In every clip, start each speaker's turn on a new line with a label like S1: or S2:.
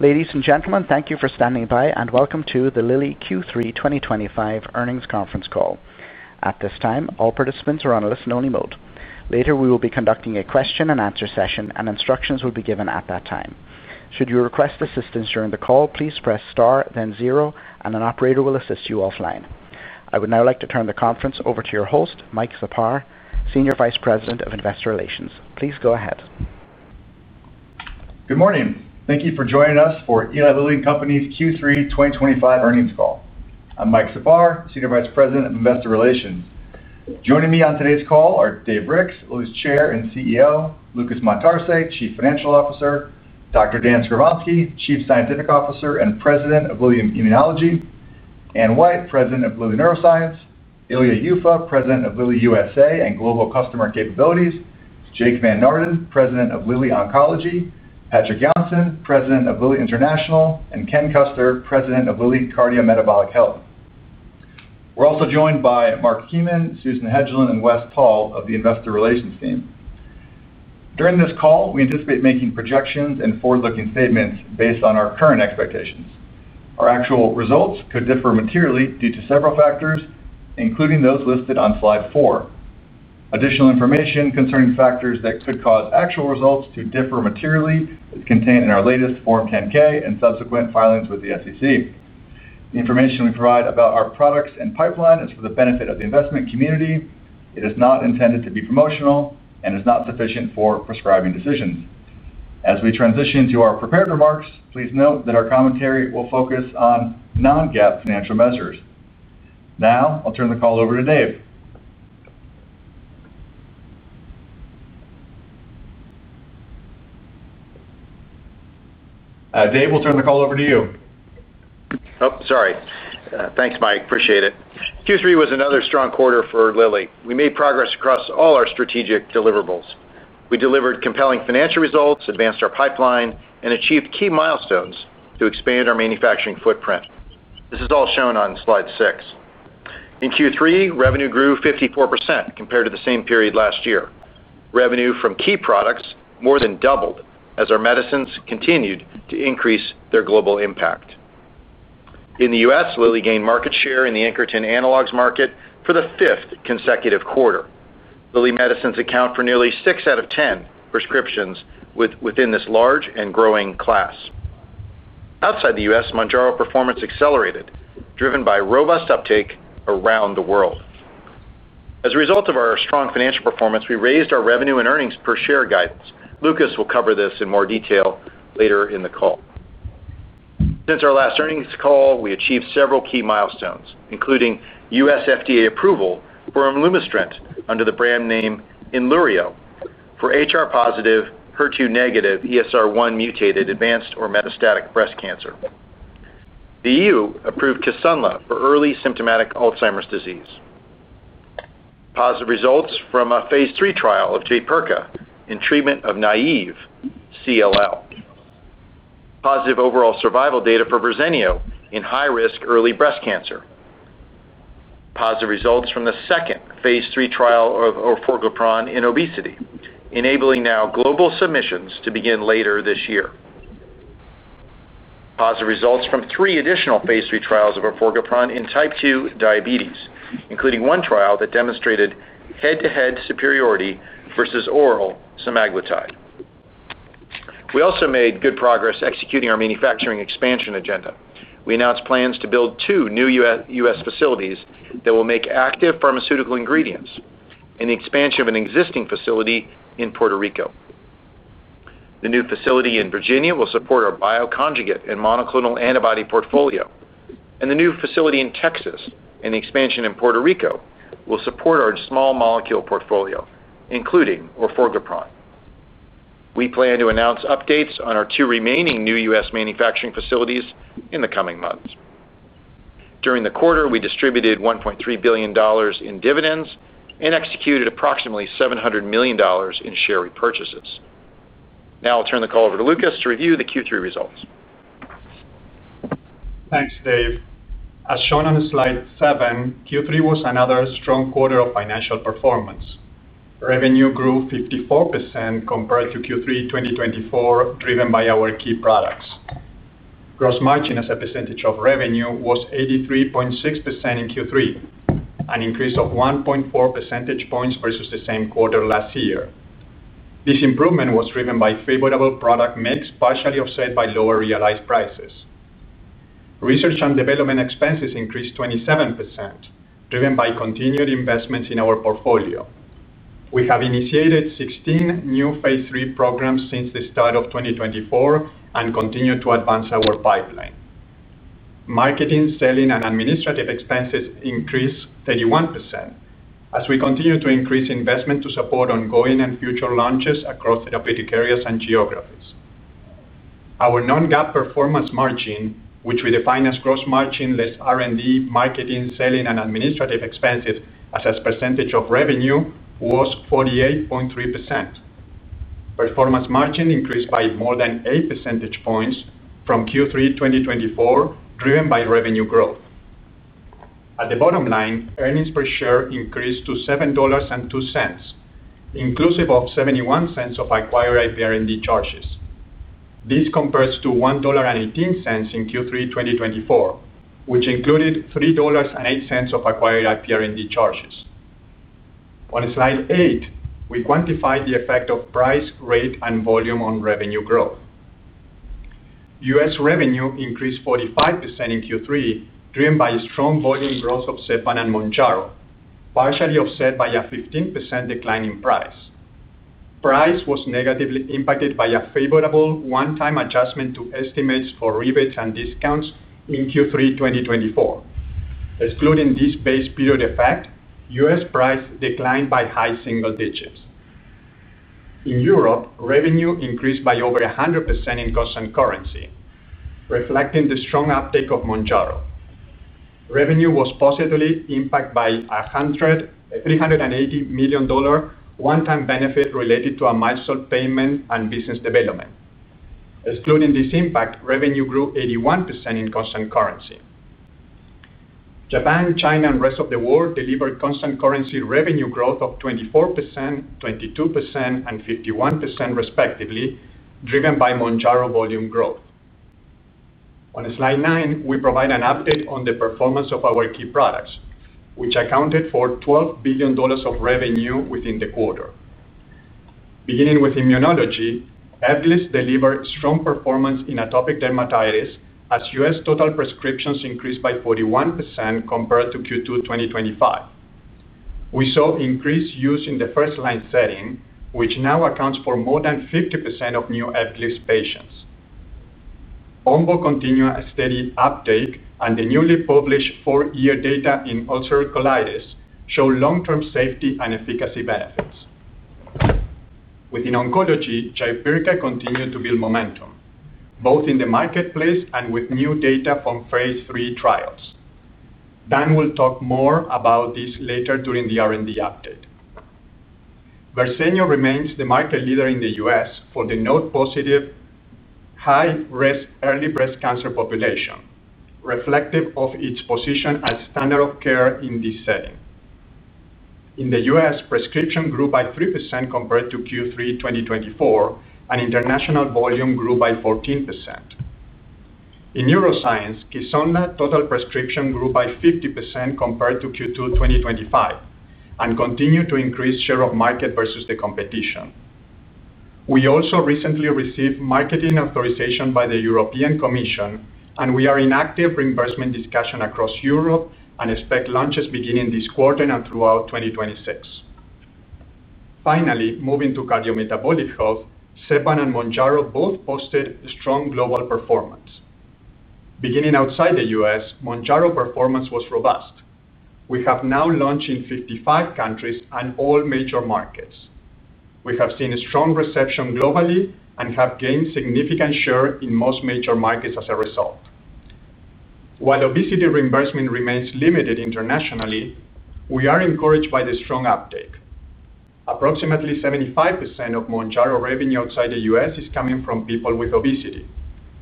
S1: Ladies and gentlemen, thank you for standing by and welcome to the Lilly Q3 2025 earnings conference call. At this time, all participants are on a listen-only mode. Later, we will be conducting a question-and-answer session, and instructions will be given at that time. Should you request assistance during the call, please press star then zero and an operator will assist you offline. I would now like to turn the conference over to your host, Mike Czapar, Senior Vice President of Investor Relations. Please go ahead.
S2: Good morning. Thank you for joining us for Eli Lilly and Company's Q3 2025 earnings call. I'm Mike Czapar, Senior Vice President of Investor Relations. Joining me on today's call are Dave Ricks, Lilly's Chair and CEO, Lucas Montarce, Chief Financial Officer, Dr. Dan Skovronsky, Chief Scientific Officer and President of Lilly Immunology, Anne White, President of Lilly Neuroscience, Ilya Yuffa, President of Lilly USA and Global Customer Capabilities, Jake Van Naarden, President of Lilly Oncology, Patrick Johnson, President of Lilly International, and Ken Custer, President of Lilly Cardiometabolic Health. We're also joined by Mark Mintun, Susan Mahony, and Wes Paul of the Investor Relations team. During this call, we anticipate making projections and forward-looking statements based on our current expectations. Our actual results could differ materially due to several factors including those listed on slide 4. Additional information concerning factors that could cause actual results to differ materially is contained in our latest Form 10-K and subsequent filings with the SEC. The information we provide about our products and pipeline is for the benefit of the investment community. It is not intended to be promotional and is not sufficient for prescribing decisions. As we transition to our prepared remarks, please note that our commentary will focus on non-GAAP financial measures. Now I'll turn the call over to Dave. Dave, we'll turn the call over to you.
S3: Oh, sorry. Thanks, Mike. Appreciate it. Q3 was another strong quarter for Lilly. We made progress across all our strategic deliverables. We delivered compelling financial results, advanced our pipeline, and achieved key milestones to expand our manufacturing footprint. This is all shown on slide 6. In Q3, revenue grew 54% compared to the same period last year. Revenue from key products more than doubled as our medicines continued to increase their global impact. In the U.S., Lilly gained market share in the incretin analogs market for the fifth consecutive quarter. Lilly medicines account for nearly six out of 10 prescriptions within this large and growing class. Outside the U.S., Mounjaro performance accelerated, driven by robust uptake around the world. As a result of our strong financial performance, we raised our revenue and earnings per share guidance. Lucas will cover this in more detail later in the call. Since our last earnings call, we achieved several key milestones including U.S. FDA approval for imlunestrant under the brand name Inlurio for HR positive HER2 negative ESR1 mutated advanced or metastatic breast cancer. The EU approved Kisunla for early symptomatic Alzheimer's disease. Positive results from a phase III trial of Jaypirca in treatment of naive CLL, positive overall survival data for Verzenio in high risk early breast cancer. Positive results from the second phase III trial of orforglipron in obesity, enabling now global submissions to begin later this year. Positive results from three additional phase III trials of orforglipron in type 2 diabetes, including one trial that demonstrated head to head superiority versus oral semaglutide. We also made good progress executing our manufacturing expansion agenda. We announced plans to build two new U.S. facilities that will make active pharmaceutical ingredients and the expansion of an existing facility in Puerto Rico. The new facility in Virginia will support our bioconjugate and monoclonal antibody portfolio and the new facility in Texas and the expansion in Puerto Rico will support our small molecule portfolio including orforglipron. We plan to announce updates on our two remaining new U.S. manufacturing facilities in the coming months. During the quarter, we distributed $1.3 billion in dividends and executed approximately $700 million in share repurchases. Now I'll turn the call over to Lucas to review the Q3 results.
S4: Thanks, Dave. As shown on Slide 7, Q3 was another strong quarter of financial performance. Revenue grew 54% compared to Q3 2024, driven by our key products. Gross margin as a percentage of revenue was 83.6% in Q3, an increase of 1.4 percentage points versus the same quarter last year. This improvement was driven by favorable product mix, partially offset by lower realized prices. Research and development expenses increased 27%, driven by continued investments in our portfolio. We have initiated 16 new phase III programs since the start of 2024 and continue to advance our pipeline. Marketing, selling, and administrative expenses increased 31% as we continue to increase investment to support ongoing and future launches across therapeutic areas and geographies. Our non-GAAP performance margin, which we define as gross margin less R&D, marketing, selling, and administrative expenses as a percentage of revenue, was 48.3%. Performance margin increased by more than 8 percentage points from Q3 2024, driven by revenue growth. At the bottom line, earnings per share increased to $7.02, inclusive of $0.71 of acquired IPR&D charges. This compares to $1.18 in Q3 2024, which included $3.08 of acquired IPR&D charges. On Slide 8, we quantified the effect of price, rate, and volume on revenue growth. U.S. revenue increased 45% in Q3, driven by strong volume growth of Zepbound and Mounjaro, partially offset by a 15% decline in price. Price was negatively impacted by a favorable one-time adjustment to estimates for rebates and discounts in Q3 2024. Excluding this base period effect, U.S. price declined by high single digits. In Europe, revenue increased by over 100% in constant currency, reflecting the strong uptake of Mounjaro. Revenue was positively impacted by a $380 million one-time benefit related to a milestone payment and business development. Excluding this impact, revenue grew 81% in constant currency. Japan, China, and rest of the world delivered constant currency revenue growth of 24%, 22%, and 51%, respectively, driven by Mounjaro volume growth. On Slide 9, we provide an update on the performance of our key products, which accounted for $12 billion of revenue within the quarter. Beginning with immunology, Ebglyss delivered strong performance in atopic dermatitis as U.S. total prescriptions increased by 41% compared to Q2 2025. We saw increased use in the first-line setting, which now accounts for more than 50% of new Ebglyss patients. Onboard continued steady uptake and the newly published four-year data in ulcerative colitis show long-term safety and efficacy benefits. Within oncology, Jaypirca continue to build momentum both in the marketplace and with new data from phase III trials. Dan will talk more about this later during the R&D update. Verzenio remains the market leader in the U.S. for the node-positive high-risk early breast cancer population, reflective of its position as standard of care in this setting. In the U.S., prescription grew by 3% compared to Q3 2024 and international volume grew by 14%. In neuroscience, kisunla total prescription grew by 50% compared to Q2 2025 and continued to increase share of market versus the competition. We also recently received marketing authorization by the European Commission and we are in active reimbursement discussion across Europe and expect launches beginning this quarter and throughout 2026. Finally, moving to cardiometabolic health, Zepbound and Mounjaro both posted strong global performance. Beginning outside the U.S., Mounjaro performance was robust. We have now launched in 55 countries and all major markets. We have seen strong reception globally and have gained significant share in most major markets as a result. While obesity reimbursement remains limited internationally, we are encouraged by the strong uptake. Approximately 75% of Mounjaro revenue outside the U.S. is coming from people with obesity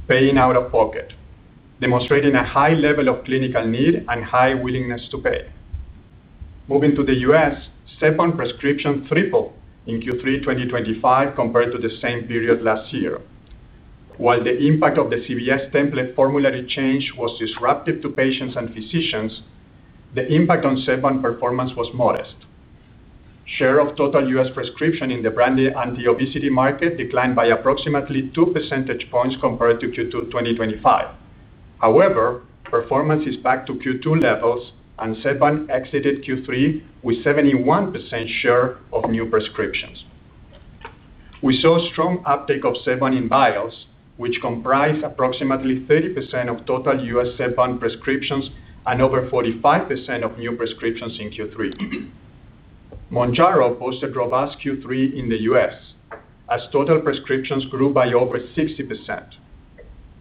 S4: paying out of pocket, demonstrating a high level of clinical need and high willingness to pay. Moving to the U.S., Zepbound prescription tripled in Q3 2025 compared to the same period last year. While the impact of the CVS template formulary change was disruptive to patients and physicians, the impact on Zepbound performance was modest. Share of total U.S. prescription in the branded anti-obesity market declined by approximately 2 percentage points compared to Q2 2025. However, performance is back to Q2 levels and Zepbound exited Q3 with 71% share of new prescriptions. We saw strong uptake of Zepbound in vials, which comprise approximately 30% of total U.S. Zepbound prescriptions and over 45% of new prescriptions in Q3. Mounjaro posted robust Q3 in the U.S. as total prescriptions grew by over 60%.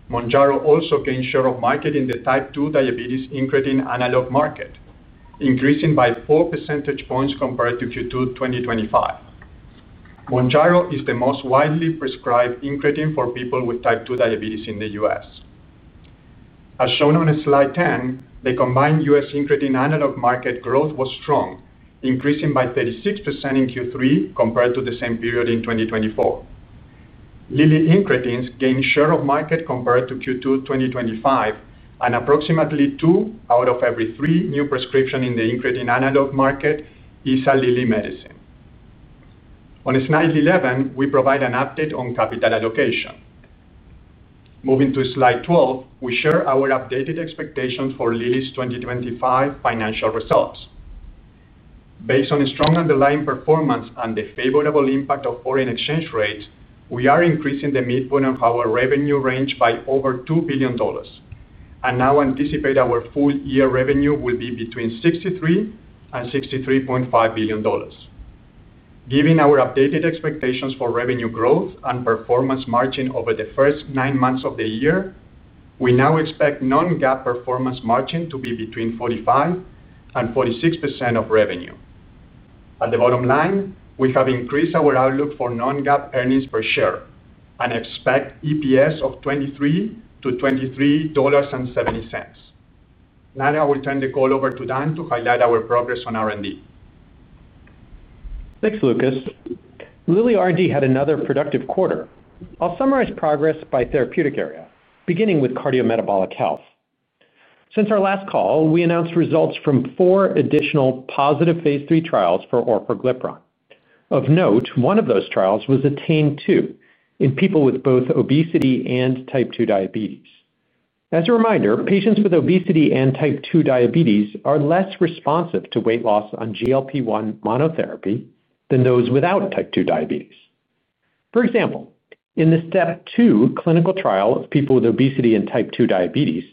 S4: Mounjaro also gained share of market in the type 2 diabetes incretin analog market, increasing by 4 percentage points compared to Q2 2025. Mounjaro is the most widely prescribed incretin for people with type 2 diabetes in the U.S. As shown on slide 10, the combined U.S. incretin analog market growth was strong, increasing by 36% in Q3 compared to the same period in 2024. Lilly incretins gained share of market compared to Q2 2025, and approximately 2 out of every 3 new prescriptions in the incretin analog market is a Lilly medicine. On slide 11, we provide an update on capital allocation. Moving to slide 12, we share our updated expectations for Lilly's 2025 financial results. Based on strong underlying performance and the favorable impact of foreign exchange rates, we are increasing the midpoint of our revenue range by over $2 billion and now anticipate our full year revenue will be between $63 billion and $63.5 billion. Given our updated expectations for revenue growth and performance margin over the first nine months of the year, we now expect non-GAAP performance margin to be between 45% and 46% of revenue. At the bottom line, we have increased our outlook for non-GAAP earnings per share and expect EPS of $23-$23.70. Now I will turn the call over to Dan to highlight our progress on R&D.
S5: Thanks, Lucas. Lilly R&D had another productive quarter. I'll summarize progress by therapeutic area, beginning with cardiometabolic health. Since our last call, we announced results from four additional positive phase III trials for orforglipron. Of note, one of those trials was Attain 2 in people with both obesity and type 2 diabetes. As a reminder, patients with obesity and type 2 diabetes are less responsive to weight loss on GLP-1 monotherapy than those without type 2 diabetes. For example, in the STEP 2 clinical trial of people with obesity and type 2 diabetes,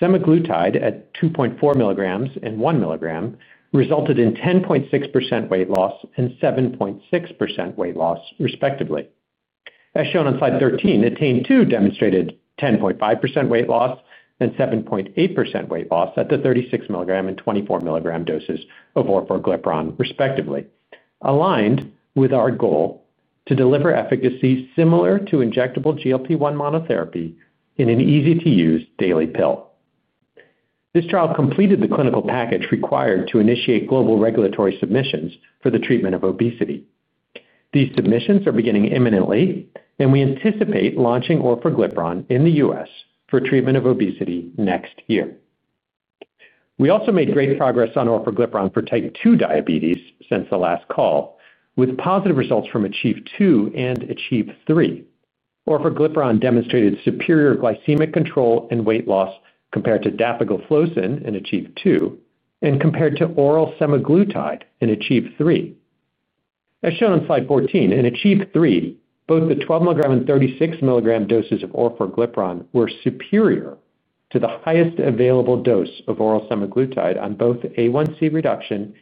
S5: semaglutide at 2.4 mg and 1 mg resulted in 10.6% weight loss and 7.6% weight loss, respectively. As shown on Slide 13, attain 2 demonstrated 10.5% weight loss and 7.8% weight loss at the 36 mg and 24 mg doses of orforglipron, respectively, aligned with our goal to deliver efficacy similar to injectable GLP-1 monotherapy in an easy-to-use daily pill. This trial completed the clinical package required to initiate global regulatory submissions for the treatment of obesity. These submissions are beginning imminently, and we anticipate launching orforglipron in the U.S. for treatment of obesity next year. We also made great progress on orforglipron for type 2 diabetes since the last call with positive results from ACHIEVE-2 and ACHIEVE-3. orforglipron demonstrated superior glycemic control and weight loss compared to dapagliflozin in ACHIEVE-2 and compared to oral semaglutide in ACHIEVE-3, as shown on Slide 14. In ACHIEVE-3, both the 12 mg and 36 mg doses of orforglipron were superior to the highest available dose of oral semaglutide on both A1C reduction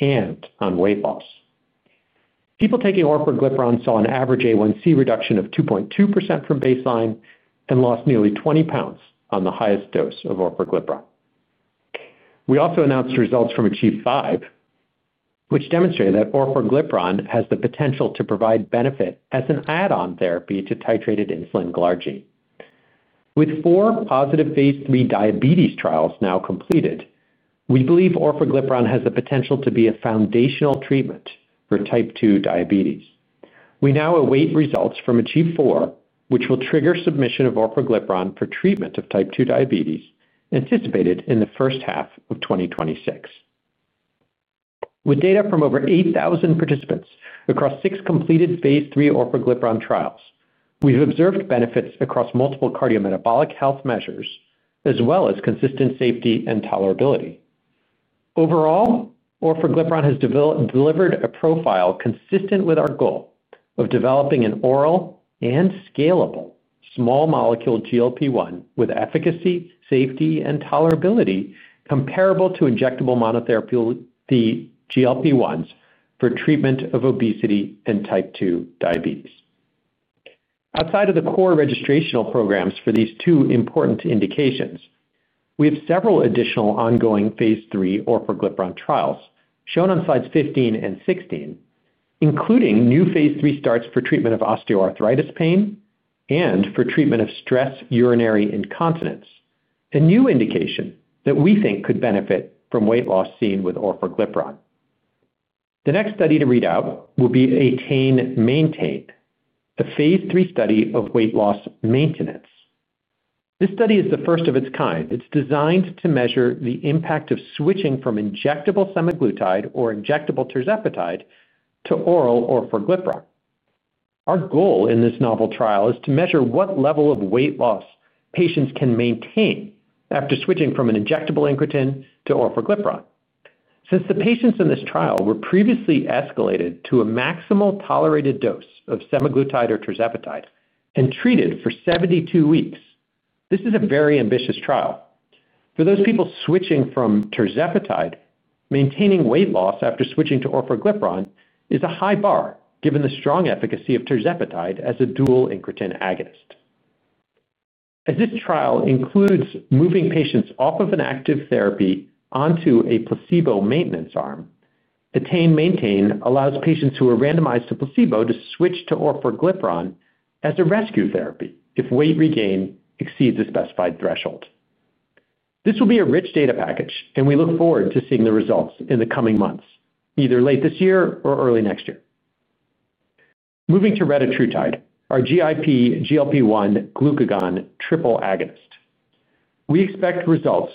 S5: and on weight loss. People taking orforglipron saw an average A1C reduction of 2.2% from baseline and lost nearly 20 lbp on the highest dose of orforglipron. We also announced results from ACHIEVE-5, which demonstrated that orforglipron has the potential to provide benefit as an add-on therapy to titrated insulin glargine. With four positive Phase III diabetes trials now completed, we believe orforglipron has the potential to be a foundational treatment for type 2 diabetes. We now await results from ACHIEVE-4, which will trigger submission of orforglipron for treatment of type 2 diabetes, anticipated in the first half of 2026. With data from over 8,000 participants across six completed phase III orforglipron trials, we've observed benefits across multiple cardiometabolic health measures as well as consistent safety and tolerability. Overall, orforglipron has delivered a profile consistent with our goal of developing an oral and scalable small molecule GLP-1 with efficacy, safety, and tolerability comparable to injectable monotherapy GLP-1s for treatment of obesity and type 2 diabetes. Outside of the core registrational programs for these two important indications, we have several additional ongoing phase III orforglipron trials shown on slides 15 and 16, including new phase III starts for treatment of osteoarthritis pain and for treatment of stress urinary incontinence, a new indication that we think could benefit from weight loss seen with orforglipron. The next study to read out will be ATTAIN-MAINTAIN, the phase III study of weight loss maintenance. This study is the first of its kind. It's designed to measure the impact of switching from injectable semaglutide or injectable tirzepatide to oral orforglipron. Our goal in this novel trial is to measure what level of weight loss patients can maintain after switching from an injectable incretin to orforglipron. Since the patients in this trial were previously escalated to a maximal tolerated dose of semaglutide or tirzepatide and treated for 72 weeks, this is a very ambitious trial for those people switching from tirzepatide. Maintaining weight loss after switching to orforglipron is a high bar given the strong efficacy of tirzepatide as a dual incretin agonist. As this trial includes moving patients off of an active therapy onto a placebo maintenance arm, ATTAIN-MAINTAIN allows patients who are randomized to placebo to switch to orforglipron as a rescue therapy if weight regain exceeds a specified threshold. This will be a rich data package and we look forward to seeing the results in the coming months, either late this year or early next year. Moving to retatrutide, our GIP/GLP-1/glucagon triple agonist, we expect results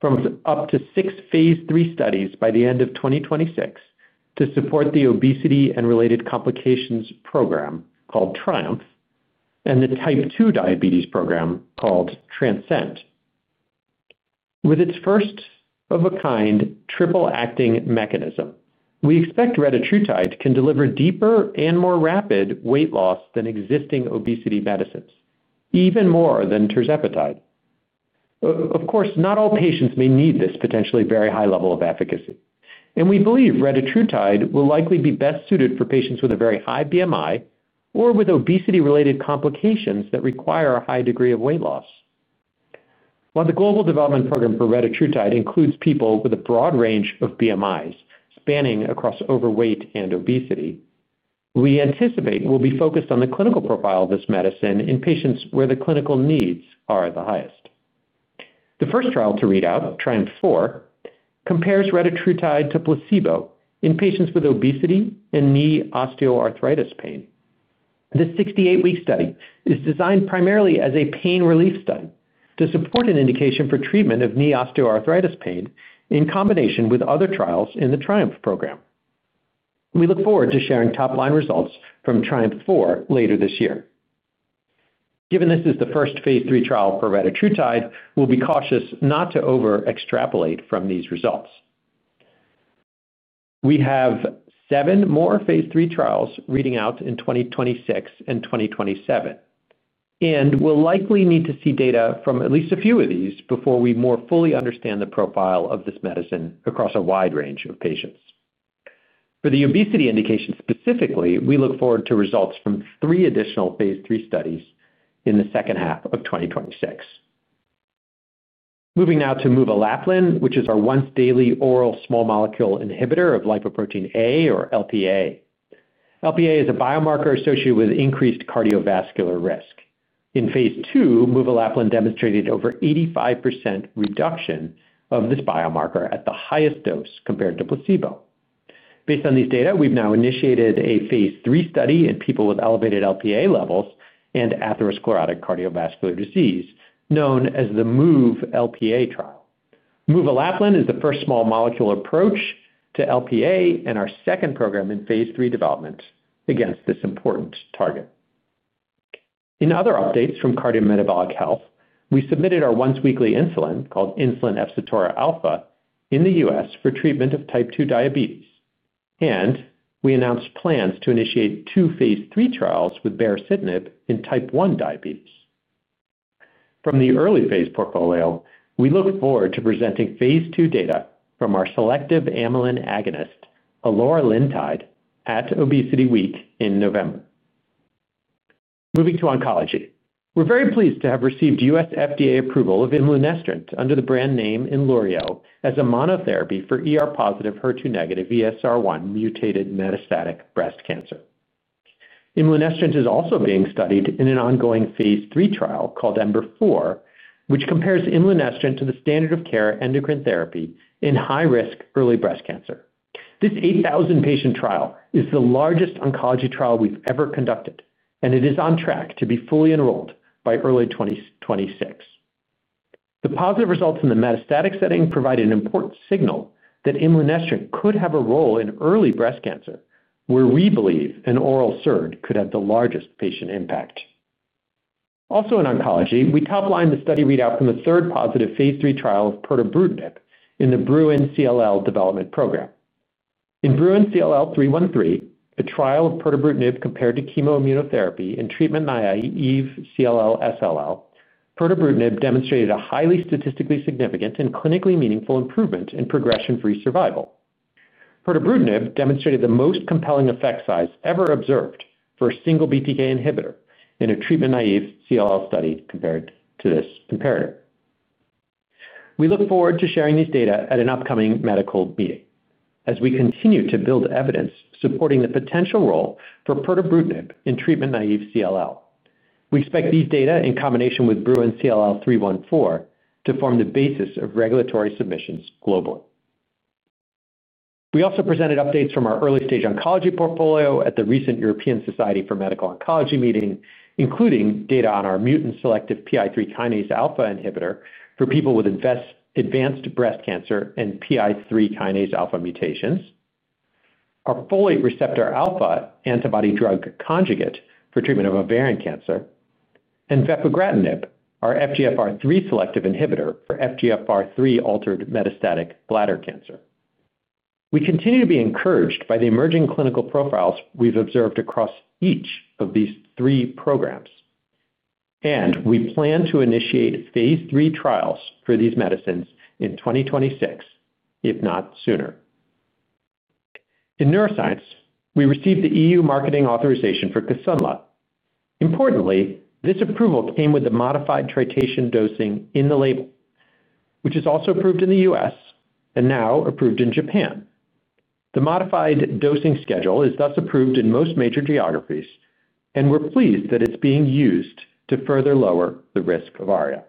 S5: from up to six phase III studies by the end of 2026 to support the obesity and related complications program called TRIUMPH and the type 2 diabetes program called TRANSCEND. With its first-of-a-kind triple acting mechanism, we expect retatrutide can deliver deeper and more rapid weight loss than existing obesity medicines, even more than tirzepatide. Of course, not all patients may need this potentially very high level of efficacy and we believe retatrutide will likely be best suited for patients with a very high BMI or with obesity-related complications that require a high degree of weight loss. While the global development program for retatrutide includes people with a broad range of BMIs specifically spanning across overweight and obesity, we anticipate we'll be focused on the clinical profile of this medicine in patients where the clinical needs are the highest. The first trial to read out, TRIUMPH-4, compares retatrutide to placebo in patients with obesity and knee osteoarthritis pain. This 68-week study is designed primarily as a pain relief study to support an indication for treatment of knee osteoarthritis pain in combination with other trials in the TRIUMPH program. We look forward to sharing top line results from TRIUMPH-4 later this year. Given this is the first phase III trial for retatrutide, we'll be cautious not to over-extrapolate from these results. We have seven more phase III trials reading out in 2026 and 2027, and we'll likely need to see data from at least a few of these before we more fully understand the profile of this medicine across a wide range of patients. For the obesity indication specifically, we look forward to results from three additional phase III studies in the second half of 2026. Moving now to muvalaplin, which is our once-daily oral small molecule inhibitor of lipoprotein(a) or Lp(a). Lp(a) is a biomarker associated with increased cardiovascular risk. In phase II, muvalaplin demonstrated over 85% reduction of this biomarker at the highest dose compared to placebo. Based on these data, we've now initiated a phase III study in people with elevated Lp(a) levels and atherosclerotic cardiovascular disease known as the MOVE Lp(a) trial. Muvalaplin is the first small molecule approach to Lp(a) and our second program in phase III development against this important target. In other updates from Cardiometabolic Health, we submitted our once-weekly insulin called insulin efsitora alfa in the U.S. for treatment of type 2 diabetes, and we announced plans to initiate two phase III trials with baricitinib in type 1 diabetes. From the early phase portfolio, we look forward to presenting phase II data from our selective amylin agonist aloralintide at Obesity Week in November. Moving to oncology, we're very pleased to have received U.S. FDA approval of imlunestrant under the brand name Inlurio as a monotherapy for ER-positive, HER2-negative, ESR1-mutated metastatic breast cancer. Imlunestrant is also being studied in an ongoing phase III trial called EMBER4, which compares imlunestrant to the standard of care endocrine therapy in high-risk early breast cancer. This 8,000-patient trial is the largest oncology trial we've ever conducted, and it is on track to be fully enrolled by early 2026. The positive results in the metastatic setting provide an important signal that imlunestrant could have a role in early breast cancer, where we believe an oral SERD could have the largest patient impact. Also in oncology, we top-lined the study readout from the third positive phase III trial of pertobrutinib in the BRUIN CLL development program. In BRUIN CLL-313, a trial of pertobrutinib compared to chemoimmunotherapy in treatment-naive CLL/SLL, pertobrutinib demonstrated a highly statistically significant and clinically meaningful improvement in progression-free survival. Pertobrutinib demonstrated the most compelling effect size ever observed for a single BTK inhibitor in a treatment-naive CLL study compared to this comparator. We look forward to sharing these data at an upcoming medical meeting as we continue to build evidence supporting the potential role for pertobrutinib in treatment-naive CLL. We expect these data in combination with BRUIN CLL-314 to form the basis of regulatory submissions globally. We also presented updates from our early-stage oncology portfolio at the recent European Society for Medical Oncology meeting, including data on our mutant-selective PI3 kinase alpha inhibitor for people with advanced breast cancer and PI3 kinase alpha mutations, our folate receptor alpha antibody-drug conjugate for treatment of ovarian cancer, and vepafestinib, our FGFR3-selective inhibitor for FGFR3-altered metastatic bladder cancer. We continue to be encouraged by the emerging clinical profiles we've observed across each of these three programs, and we plan to initiate phase III trials for these medicines in 2026, if not sooner. In neuroscience, we received the EU marketing authorization for Kisunla. Importantly, this approval came with the modified titration dosing in the label, which is also approved in the U.S. and now approved in Japan. The modified dosing schedule is thus approved in most major geographies, and we're pleased that it's being used to further lower the risk of ARIA.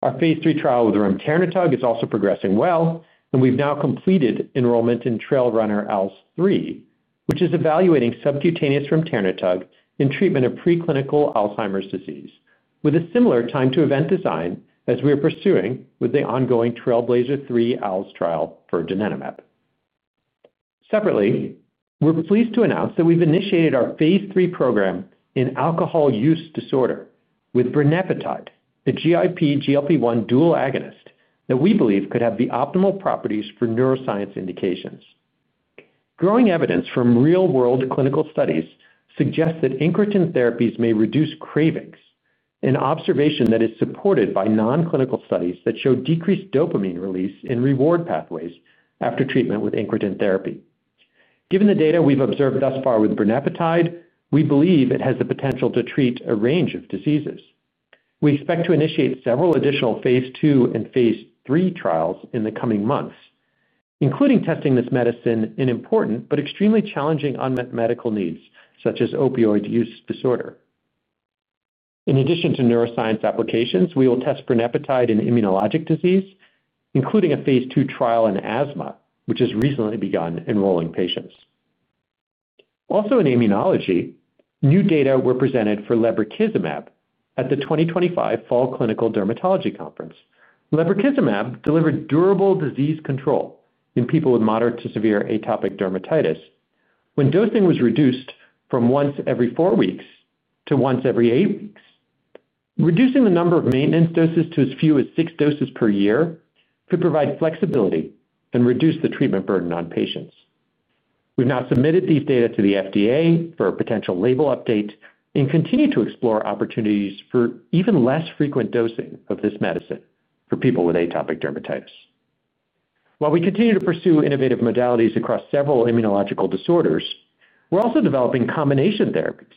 S5: Our phase III trial with remternetug is also progressing well, and we've now completed enrollment in TRAILRUNNER-ALZ 3 which is evaluating subcutaneous remternetug in treatment of preclinical Alzheimer's disease with a similar time-to-event design as we are pursuing with the ongoing TRAILBLAZER-ALZ 3 OWLS trial for Donanemab. Separately, we're pleased to announce that we've initiated our phase III program in alcohol use disorder with brunepatide, the GIP/GLP-1 dual agonist that we believe could have the optimal properties for neuroscience indications. Growing evidence from real-world clinical studies suggests that incretin therapies may reduce cravings, an observation that is supported by non-clinical studies that show decreased dopamine release in reward pathways after treatment with incretin therapy. Given the data we've observed thus far with brunepatide, we believe it has the potential to treat a range of diseases. We expect to initiate several additional phase II and phase III trials in the coming months, including testing this medicine in important but extremely challenging unmet medical needs such as opioid use disorder. In addition to neuroscience applications, we will test brunepatide in immunologic disease, including a phase II trial in asthma, which has recently begun enrolling patients. Also in immunology, new data were presented for lebrikizumab at the 2025 Fall Clinical Dermatology Conference. Lebrikizumab delivered durable disease control in people with moderate to severe atopic dermatitis when dosing was reduced from once every four weeks to once every eight weeks. Reducing the number of maintenance doses to as few as six doses per year could provide flexibility and reduce the treatment burden on patients. We've now submitted these data to the FDA for a potential label update and continue to explore opportunities for even less frequent dosing of this medicine for people with atopic dermatitis. While we continue to pursue innovative modalities across several immunological disorders, we're also developing combination therapies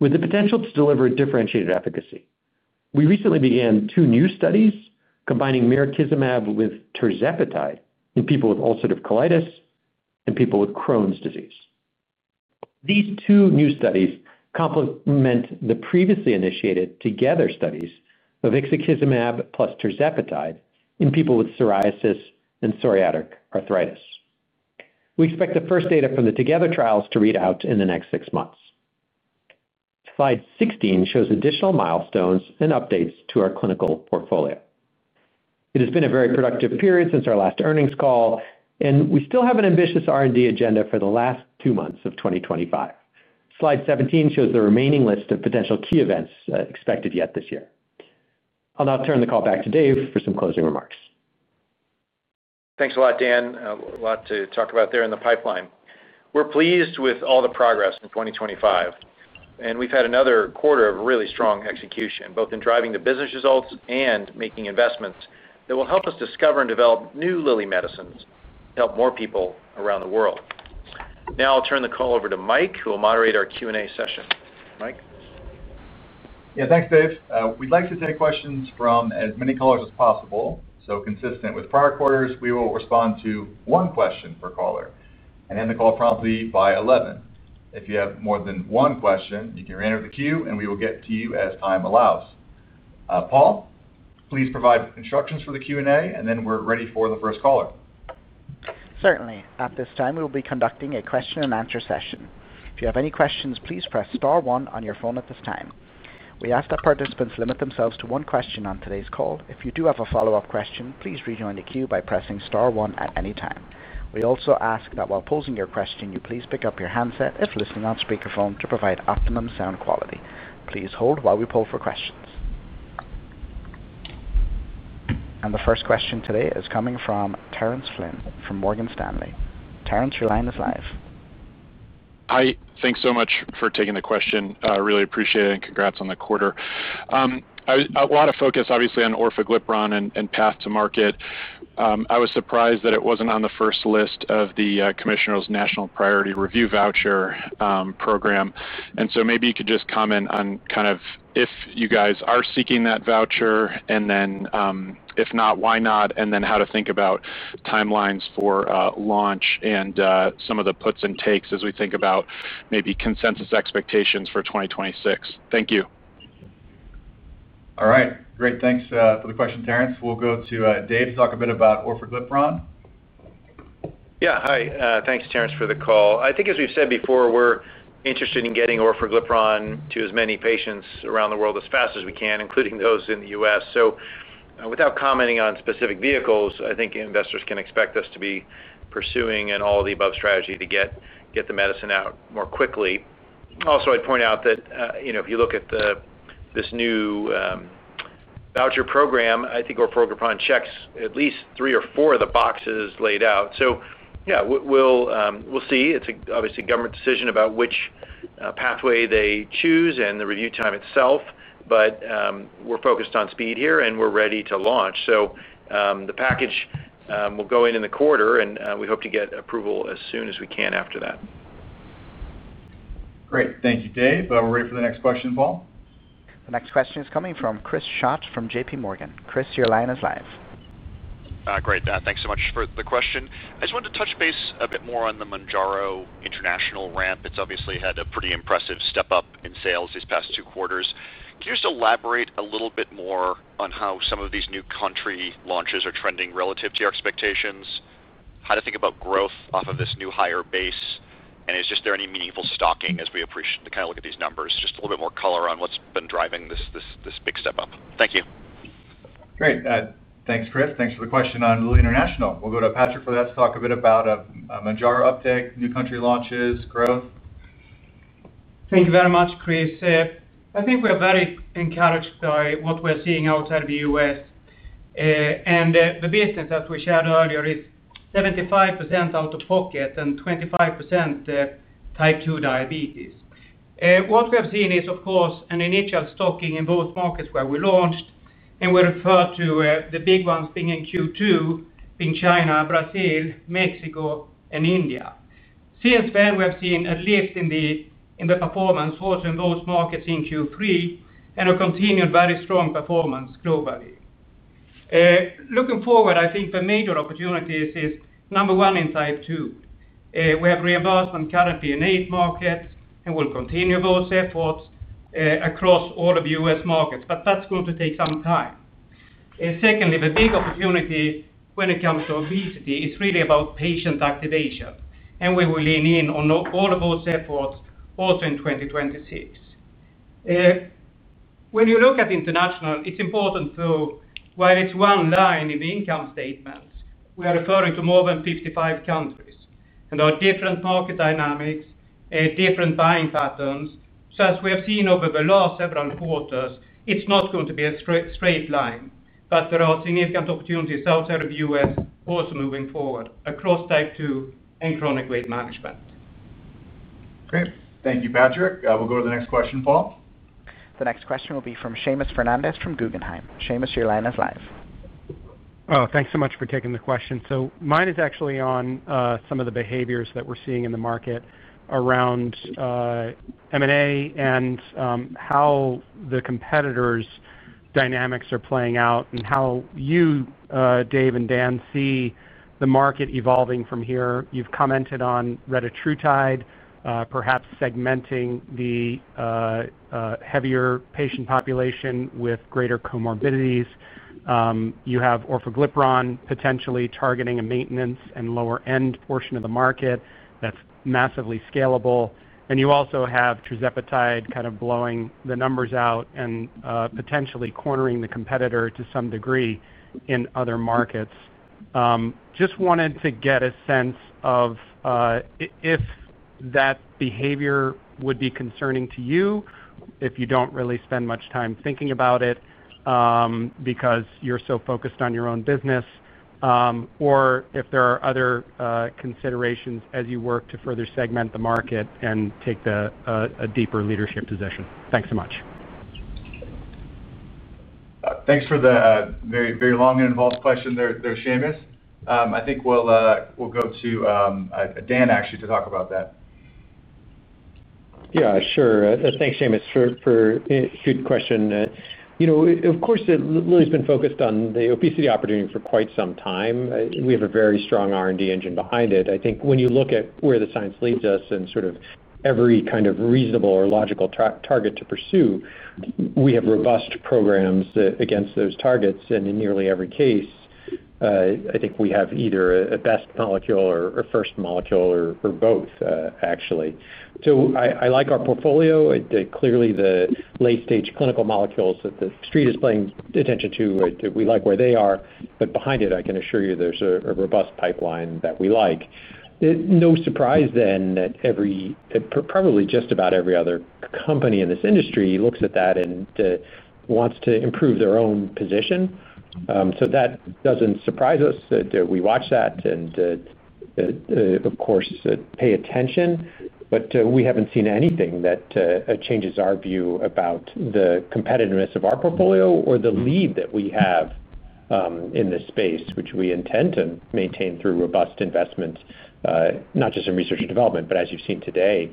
S5: with the potential to deliver differentiated efficacy. We recently began two new studies combining mirikizumab with tirzepatide in people with ulcerative colitis and people with Crohn's disease. These two new studies complement the previously initiated TOGETHER studies of ixekizumab plus tirzepatide in people with psoriasis and psoriatic arthritis. We expect the first data from the TOGETHER Trials to read out in the next six months. Slide 16 shows additional milestones and updates to our clinical portfolio. It has been a very productive period since our last earnings call, and we still have an ambitious R&D agenda for the last two months of 2025. Slide 17 shows the remaining list of potential key events expected yet this year. I'll now turn the call back to Dave for some closing remarks.
S3: Thanks a lot, Dan. A lot to talk about there in the pipeline. We're pleased with all the progress in 2025, and we've had another quarter of really strong execution both in driving the business results and making investments that will help us discover and develop new Lilly medicines to help more people around the world. Now I'll turn the call over to Mike, who will moderate our Q&A session.
S2: Yeah, thanks, Dave. We'd like to take questions from as many callers as possible. Consistent with prior quarters, we will respond to one question per caller and end the call promptly by 11:00 A.M. If you have more than one question, you can reenter the queue and we will get to you as time allows. Paul, please provide instructions for the Q&A and then we're ready for the first caller.
S1: Certainly, at this time we will be conducting a question-and-answer session. If you have any questions, please press star one on your phone at this time. We ask that participants limit themselves to one question on today's call. If you do have a follow-up question, please rejoin the queue by pressing star 1 at any time. We also ask that while posing your question, you please pick up your handset if listening on speakerphone to provide optimum sound quality. Please hold while we poll for questions. The first question today is coming from Terrence Flynn from Morgan Stanley. Terence, your line is live.
S6: Hi, thanks so much for taking the question. I really appreciate it and congrats on the quarter. A lot of focus obviously on orforglipron and path to market. I was surprised that it wasn't on the first list of the Commissioner's National Priority Review voucher program. Maybe you could just comment if you guys are seeking that voucher and then if not, why not? How to think about timelines for launch and some of the puts and takes as we think about maybe consensus expectations for 2026. Thank you.
S2: All right, great. Thanks for the question, Terence. We'll go to Dave to talk a bit about orforglipron.
S3: Yeah, hi. Thanks, Terence, for the call. I think as we've said before, we're interested in getting orforglipron to as many patients around the world as fast as we can, including those in the U.S. Without commenting on specific vehicles, I think investors can expect us to be pursuing an all of the above strategy to get the medicine out more quickly. Also, I'd point out that if you look at this new voucher program, I think orforglipron checks at least three or four of the boxes laid out. We'll see. It's obviously a government decision about which pathway they choose and the review time itself. We're focused on speed here and we're ready to launch. The package will go in in the quarter and we hope to get approval as soon as we can after that.
S2: Great. Thank you, Dave. We're ready for the next question, Paul.
S1: The next question is coming from Chris Schott from JPMorgan. Chris, your line is live.
S7: Great. Thanks so much for the question. I just wanted to touch base a bit more on the Mounjaro International ramp. It's obviously had a pretty impressive step up in sales these past two quarters. Can you just elaborate a little bit more on how some of these new country launches are trending relative to your expectations, how to think about growth off of this new higher base, and is there any meaningful stocking as we appreciate? Kind of look at these numbers, just a little bit more color on what's been driving this big step up. Thank you.
S2: Great. Thanks, Chris. Thanks for the question on Lilly International. We'll go to Patrick for that to talk a bit about Mounjaro uptake, new country launches, growth.
S8: Thank you very much, Chris. I think we are very encouraged by what we're seeing outside of the U.S. and the business, as we shared earlier, is 75% out of pocket and 25% type 2 diabetes. What we have seen is of course an initial stocking in both markets where we launched, and we refer to the big ones being in Q2 in China, Brazil, Mexico, and India. Since then, we have seen a lift in the performance also in those markets in Q3 and a continued very strong performance globally. Looking forward, I think the major opportunities is number 1 in type 2, we have reimbursement currently in 8 markets and we'll continue those efforts across all of U.S. markets. That's going to take some time. The big opportunity when it comes to obesity is really about patient activation, and we will lean in on all of those efforts also in 2026. When you look at international, it's important to note while it's one line in the income statement, we are referring to more than 55 countries and our different market dynamics, different buying patterns. As we have seen over the last several quarters, it's not going to be a straight line, but there are significant opportunities outside of U.S. also moving forward across type 2 and chronic weight management.
S2: Great, thank you, Patrick. We'll go to the next question, Paul.
S1: The next question will be from Seamus Fernandez from Guggenheim. Seamus, your line is live.
S9: Thanks so much for taking the question. Mine is actually on some of the behaviors that we're seeing in the market around M&A and how the competitor dynamics are playing out and how you, Dave and Dan, see the market evolving from here. You've commented on retatrutide, perhaps segmenting the heavier patient population with greater comorbidities. You have orforglipron potentially targeting a maintenance and lower end portion of the market that's massively scalable. You also have tirzepatide kind of blowing the numbers out and potentially cornering the competitor to some degree in other markets. Just wanted to get a sense of if that behavior would be concerning to you, if you don't really spend much time thinking about it because you're so focused on your own business, or if there are other considerations as you work to further segment the market and take a deeper leadership position. Thanks so much.
S2: Thanks for the very long and involved question there, Seamus. I think we'll go to Dan actually to talk about that.
S5: Yeah, sure. Thanks, Seamus, for good question. You know, of course, Lilly's been focused on the obesity opportunity for quite some time. We have a very strong R&D engine behind it. I think when you look at where the science leads us and sort of every kind of reasonable or logical target to pursue, we have robust programs against those targets. In nearly every case, I think we have either a best molecule or first molecule or both, actually. I like our portfolio. Clearly, the late-stage clinical molecules that the street is paying attention to, we like where they are, but behind it, I can assure you there's a robust pipeline that we like. No surprise then that probably just about every other company in this industry looks at that and wants to improve their own position. That doesn't surprise us. We watch that and of course pay attention. We haven't seen anything that changes our view about the competitiveness of our portfolio or the lead that we have in this space, which we intend to maintain through robust investments, not just in research and development, but as you've seen today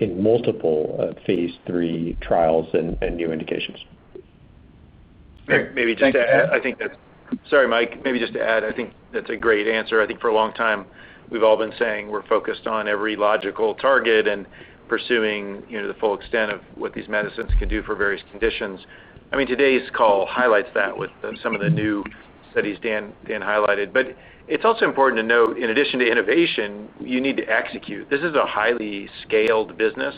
S5: in multiple phase III trials and new indications.
S2: Thanks Dan.
S3: Sorry MikeI think that's a great answer. I think for a long time we've all been saying we're focused on every logical target and pursuing the full extent of what these medicines can do for various conditions. I mean, today's call highlights that with some of the new studies Dan highlighted. It's also important to note in addition to innovation you need to execute. This is a highly scaled business.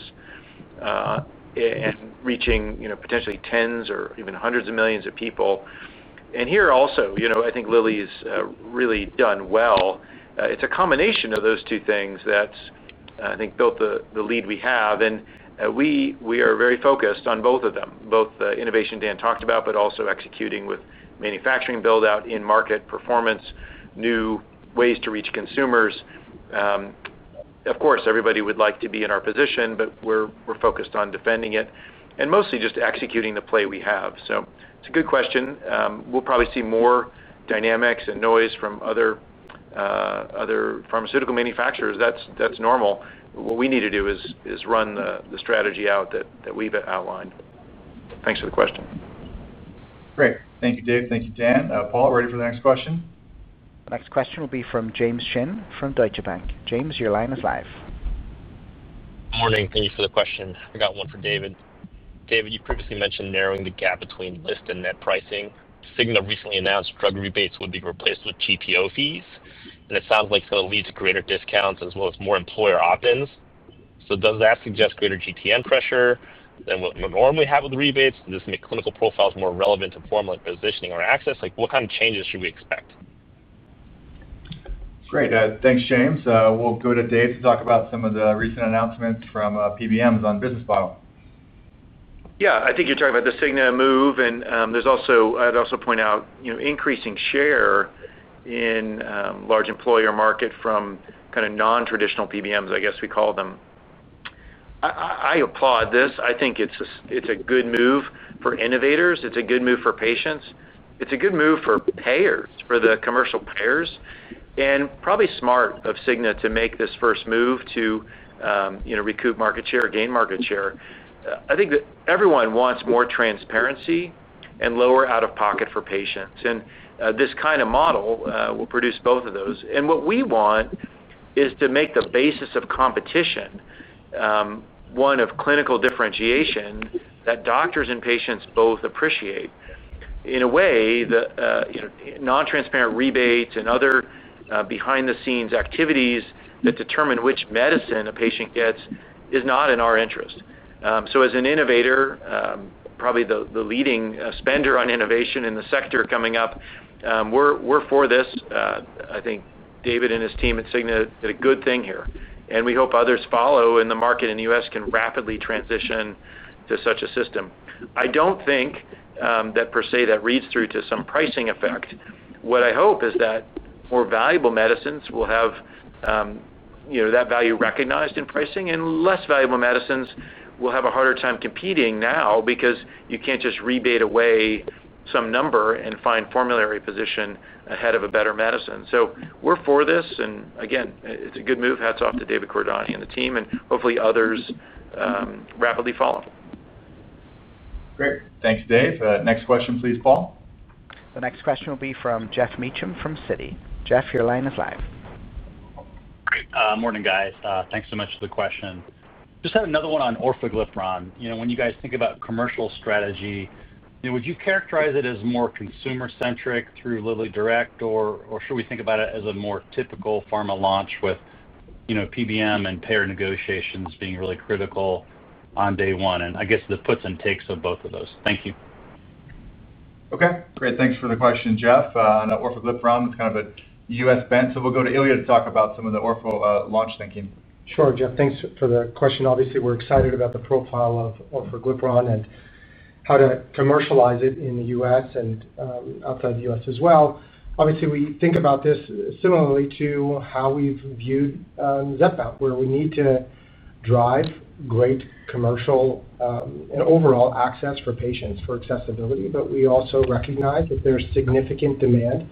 S3: And reaching potentially tens or even hundreds of millions of people. Here also I think Lilly's really done well. It's a combination of those two things that's, I think, built the lead we have and we are very focused on both of them, both the innovation Dan talked about, but also executing with manufacturing build out, in market performance, new ways to reach consumers. Of course, everybody would like to be in our position, but we're focused on defending it and mostly just executing the play we have. It's a good question. We'll probably see more dynamics and noise from other pharmaceutical manufacturers. That's normal. What we need to do is run the strategy out that we've outlined. Thanks for the question.
S2: Great. Thank you, Dave. Thank you, Dan. Paul, ready for the next question?
S1: The next question will be from James Chin from Deutsche Bank. James, your line is live.
S10: Good morning. Thank you for the question. I got one for David. David, you previously mentioned narrowing the gap between list and net pricing. Cigna recently announced drug rebates would be replaced with GPO fees, and it sounds like it will lead to greater discounts as well as more employer opt-ins. Does that suggest greater GTN pressure than what you normally have with rebates? Does this make clinical profiles more relevant to formulary positioning or access? What kind of changes should we expect?
S2: Great, thanks, James. We'll go to Dave to talk about some of the recent announcements from PBMs on business model.
S3: Yeah, I think you're talking about the Cigna move. I'd also point out increasing share in the large employer market from kind of non-traditional PBMs, I guess we call them. I applaud this. I think it's a good move for innovators, it's a good move for patients, it's a good move for payers, for the commercial payers, and probably smart of Cigna to make this first move to recoup market share, gain market share. I think that everyone wants more transparency and lower out-of-pocket for patients. This kind of model will produce both of those. What we want is to make the basis of competition one of clinical differentiation that doctors and patients both appreciate in a way non-transparent rebates and other behind-the-scenes activities that determine which medicine a patient gets is not in our interest. As an innovator, probably the leading spender on innovation in the sector coming up, we're for this. I think David and his team at Cigna did a good thing here and we hope others follow and the market in the U.S. can rapidly transition to such a system. I don't think that per se that reads through to some pricing effect. What I hope is that more valuable medicines will have that value recognized in pricing and less valuable medicines will have a harder time competing now because you can't just rebate away some number and find formulary position ahead of a better medicine. We're for this and again, it's a good move. Hats off to David Ricks and the team and hopefully others rapidly follow.
S2: Great, thanks Dave. Next question, please Paul.
S1: The next question will be from Geoff Meacham from Citi. Geoff, your line is live.
S11: Morning, guys. Thanks so much for the question. Just had another one on orforglipron. You know, when you guys think about commercial strategy, would you characterize it as more consumer centric through Lilly Direct, or should we think about it as a more typical pharma launch with, you know, PBM and payer negotiations being really critical on day one, and I guess the puts and takes of both of those? Thank you.
S2: Okay, great. Thanks for the question, Geoff. orforglipron, it's kind of a U.S. bent. We'll go to Ilya to talk about some of the ORFO launch thinking.
S12: Sure, Geoff, thanks for the question. Obviously we're excited about the profile of orforglipron and how to commercialize it in the U.S. and outside the U.S. as well. Obviously we think about this similarly to how we've viewed Zepbound, where we need to drive great commercial and overall access for patients for accessibility. We also recognize that there's significant demand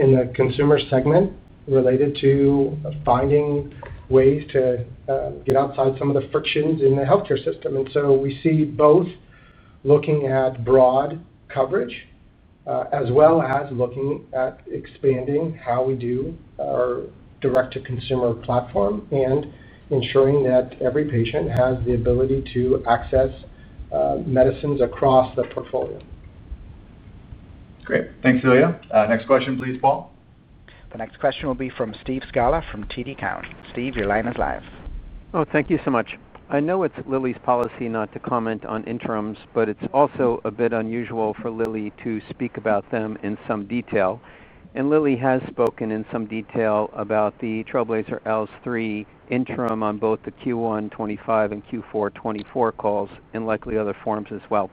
S12: in the consumer segment related to finding ways to get outside some of the frictions in the healthcare system. We see both looking at broad coverage as well as looking at expanding how we do our direct-to-consumer platform and ensuring that every patient has the ability to access medicines across the portfolio.
S11: Great.
S2: Thanks, Ilya. Next question, please, Paul.
S1: The next question will be from Steve Scala from TD Cowen. Steve, your line is live.
S13: Thank you so much. I know it's Lilly's policy not to comment on interims, but it's also a bit unusual for Lilly to speak about them in some detail. Lilly has spoken in some detail about the TRAILBLAZER-ALZ 3 interim on both the Q1 2025 and Q4 2024 calls and likely other forums as well.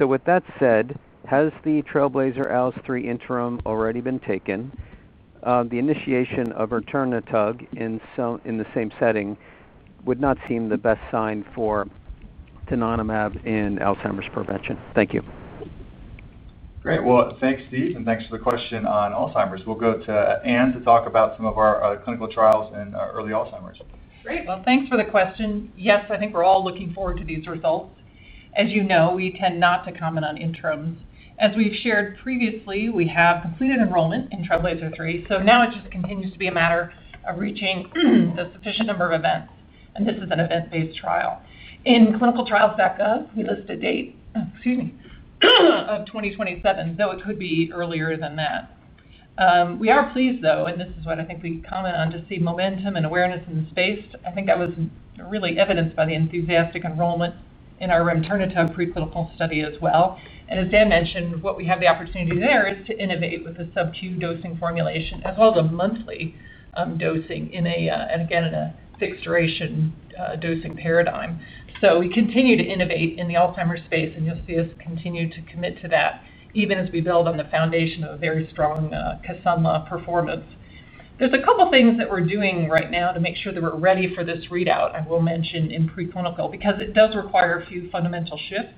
S13: With that said, has the TRAILBLAZER-ALZ 3 interim already been taken? The initiation of return to tug in the same setting would not seem the best sign for donanemab in Alzheimer's prevention. Thank you.
S2: Great. Thank you, Steve, and thanks for the question on Alzheimer's. We'll go to Anne to talk about some of our clinical trials and early Alzheimer's.
S14: Great. Thanks for the question. Yes, I think we're all looking forward to these results. As you know, we tend not to comment on interims. As we've shared previously, we have completed enrollment in TRAILBLAZER-ALZ 3. Now it continues to be a matter of reaching a sufficient number of events. This is an event-based trial. In ClinicalTrials, we list a date, excuse me, of 2027, though it could be earlier than that. We are pleased, and this is what I think we comment on, to see momentum and awareness in the space. I think that was really evidenced by the enthusiastic enrollment in our RemoteRNA-Tub preclinical study as well. As Dan mentioned, what we have the opportunity there is to innovate with the subcutaneous dosing formulation as well as a monthly dosing again in a fixed duration dosing paradigm. We continue to innovate in the Alzheimer's space and you'll see us continue to commit to that even as we build on the foundation of a very strong Kisunla performance. There are a couple things that we're doing right now to make sure that we're ready for this readout. I will mention in preclinical because it does require a few fundamental shifts.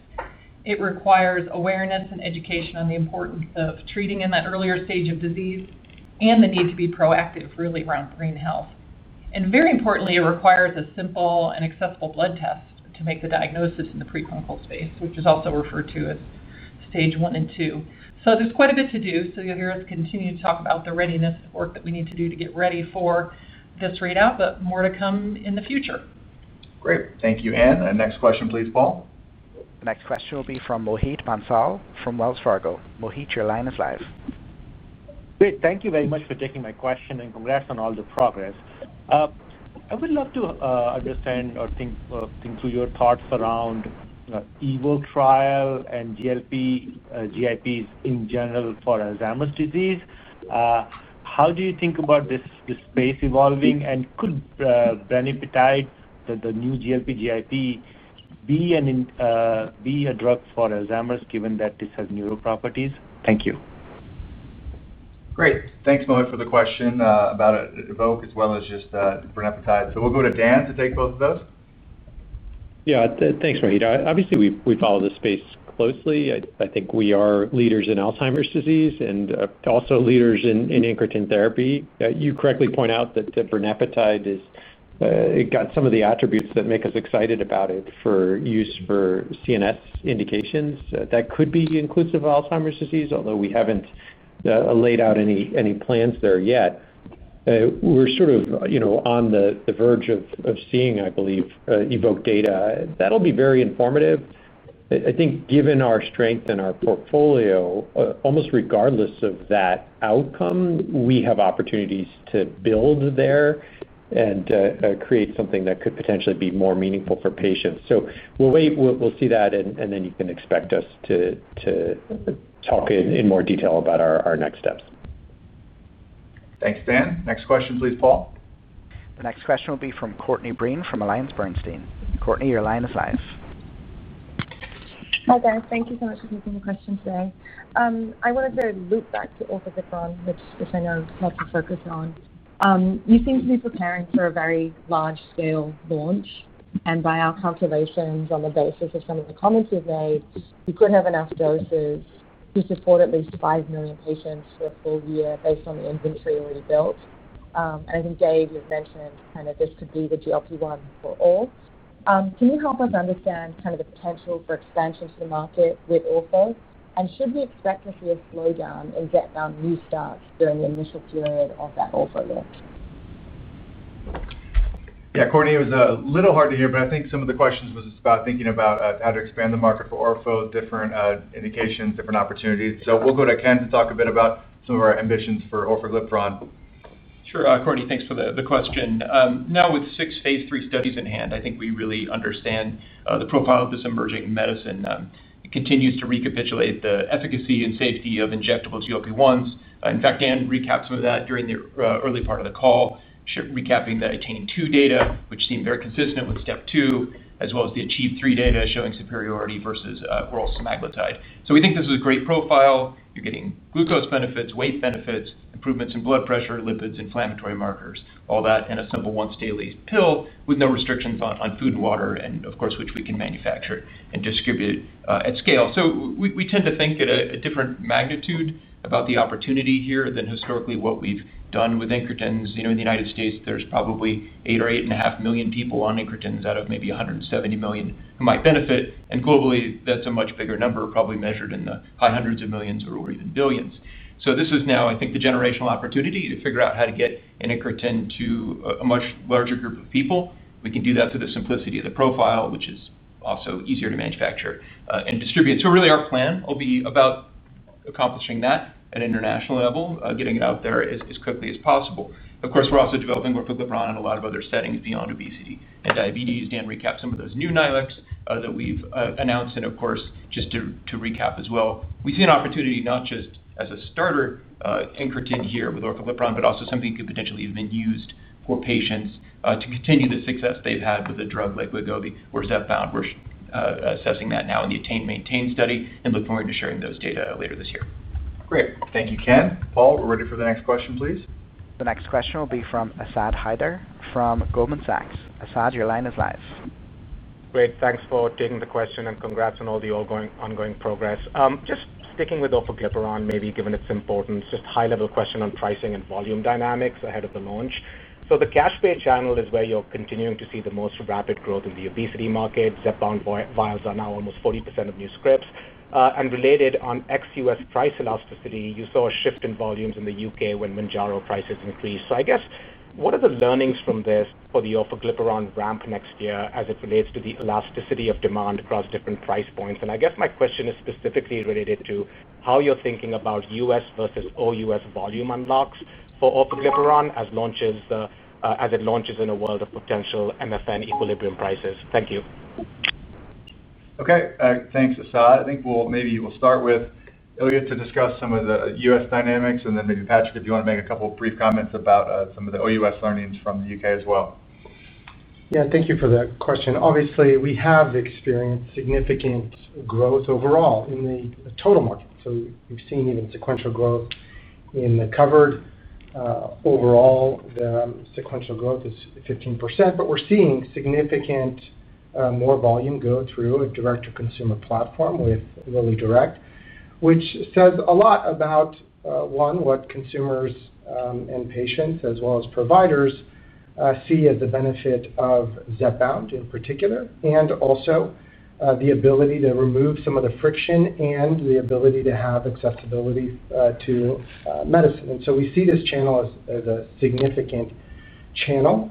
S14: It requires awareness and education on the importance of treating in that earlier stage of disease and the need to be proactive really around brain health. Very importantly, it requires a simple and accessible blood test to make the diagnosis in the preclinical space, which is also referred to as stage 1 and 2. There's quite a bit to do. You'll hear us continue to talk about the readiness work that we need to do to get ready for this readout. More to come in the future.
S2: Great. Thank you, Anne. Next question please.
S1: Paul, next question will be from Mohit Bansal from Wells Fargo. Mohit, your line is live.
S15: Great. Thank you very much for taking my question and congrats on all the progress. I would love to understand or think through your thoughts around EVOKE trial and GLP/GIPs in general for Alzheimer's disease. How do you think about this space evolving and could branipetide, the new GLP/GIP, be a drug for Alzheimer's, given that this has neural properties? Thank you.
S14: Great. Thanks, Mohit, for the question about EVOKE as well as just brinepatide. We'll go to Dan to take both of those.
S5: Yeah, thanks, Mohit. Obviously, we follow the space closely. I think we are leaders in Alzheimer's disease and also leaders in incretin therapy. You correctly point out that retatrutide has got some of the attributes that make us excited about it for use for CNS indications that could be inclusive of Alzheimer's disease. Although we haven't laid out any plans there yet, we're sort of on the verge of seeing, I believe, EVOKE data that'll be very informative. I think given our strength in our portfolio, almost regardless of that outcome, we have opportunities to build there and create something that could potentially be more meaningful for patients. We'll wait, we'll see that, and then you can expect us to talk in more detail about our next steps.
S2: Thanks, Dan. Next question, please, Paul.
S1: The next question will be from `Courtney Breen from AllianceBernstein. Courtney, your line is live.
S16: Hi guys. Thank you so much for taking the question today. I wanted to loop back to orforglipron, which I know lots of focus on. You seem to be preparing for a very large scale launch and by our calculations, on the basis of some of the comments we've made, you could have enough doses to support at least 5 million patients for a full year based on the inventory already built. I think Dave, you've mentioned kind of this could be the GLP-1 for all. Can you help us understand kind of the potential for expansion to the market with orforglipron and should we expect to see a slowdown in Zepbound new starts during the initial period of that orforglipron launch?
S2: Yeah, Courtney, it was a little hard. I think some of the questions was about thinking about how to expand the market for orforglipron. Different indications, different opportunities. We'll go to Ken to talk a bit about some of our ambitions for orforglipron.
S17: Sure, Courtney, thanks for the question. Now, with six phase III studies in hand, I think we really understand the profile of this emerging medicine. It continues to recapitulate the efficacy and safety of injectable GLP-1s. In fact, Dan recapped some of that during the early part of the call, recapping the Attain 2 data which seemed very consistent with STEP 2 as well as the Achieve 3 data showing superiority versus oral semaglutide. We think this is a great profile; you're getting glucose benefits, weight benefits, improvements in blood pressure, lipids, inflammatory markers, all that in a simple once-daily pill with no restrictions on food and water, and of course which we can manufacture and distribute at scale. We tend to think at a different magnitude about the opportunity here than historically what we've done with incretins. In the United States, there's probably eight or 8.5 million people on incretins out of maybe 170 million who might benefit. Globally that's a much bigger number, probably measured in the high hundreds of millions or even billions. This is now, I think, the generational opportunity to figure out how to get an incretin to a much larger group of people. We can do that through the simplicity of the profile, which is also easier to manufacture and distribute. Our plan will be about accomplishing that at an international level, getting it out there as quickly as possible. Of course, we're also developing orforglipron in a lot of other settings beyond obesity and diabetes. Dan recapped some of those new indications that we've announced. Just to recap as well, we see an opportunity not just as a starter incretin here with orforglipron, but also something that could potentially even be used for patients to continue the success they've had with a drug like Wegovy or Zepbound. We're assessing that now in the ATTAIN-MAINTAIN study and look forward to sharing those data later this year.
S2: Great, thank you, Ken Paul, we're ready for the next question please.
S1: The next question will be from Asad Haider from Goldman Sachs. Asad, your line is live.
S18: Great, thanks for taking the question and congrats on all the ongoing progress. Just sticking with orforglipron maybe given its importance just high level question on pricing and volume dynamics ahead of the launch. The cash pay channel is where you're continuing to see the most rapid growth in the obesity market. Zepbound border vials are now almost 40% of new scripts. Related on ex-U.S. price elasticity, you saw a shift in volumes in the U.K. when Mounjaro prices increased. What are the learnings from this for the orforglipron ramp next year as it relates to the elasticity of demand across different price points. My question is specifically related to how you're thinking about U.S. versus all U.S. volume unlocks for orforglipron as it launches in a world of potential MFN equilibrium prices. Thank you.
S2: Okay, thanks. Asad, I think maybe we'll start with Ilya to discuss some of the U.S. dynamics, and then maybe Patrick, if you want to make a couple brief comments about some of the OUS learnings from the U.K. as well.
S12: Yeah, thank you for the question. Obviously, we have experienced significant growth overall in the total market, so we've seen even sequential growth in the covered. Overall, the sequential growth is 15% but we're seeing significant more volume go through a direct-to-consumer platform with Lilly Direct, which says a lot about what consumers and patients as well as providers see as the benefit of Zepbound in particular, and also the ability to remove some of the friction and the ability to have accessibility to medicine. We see this channel as a significant channel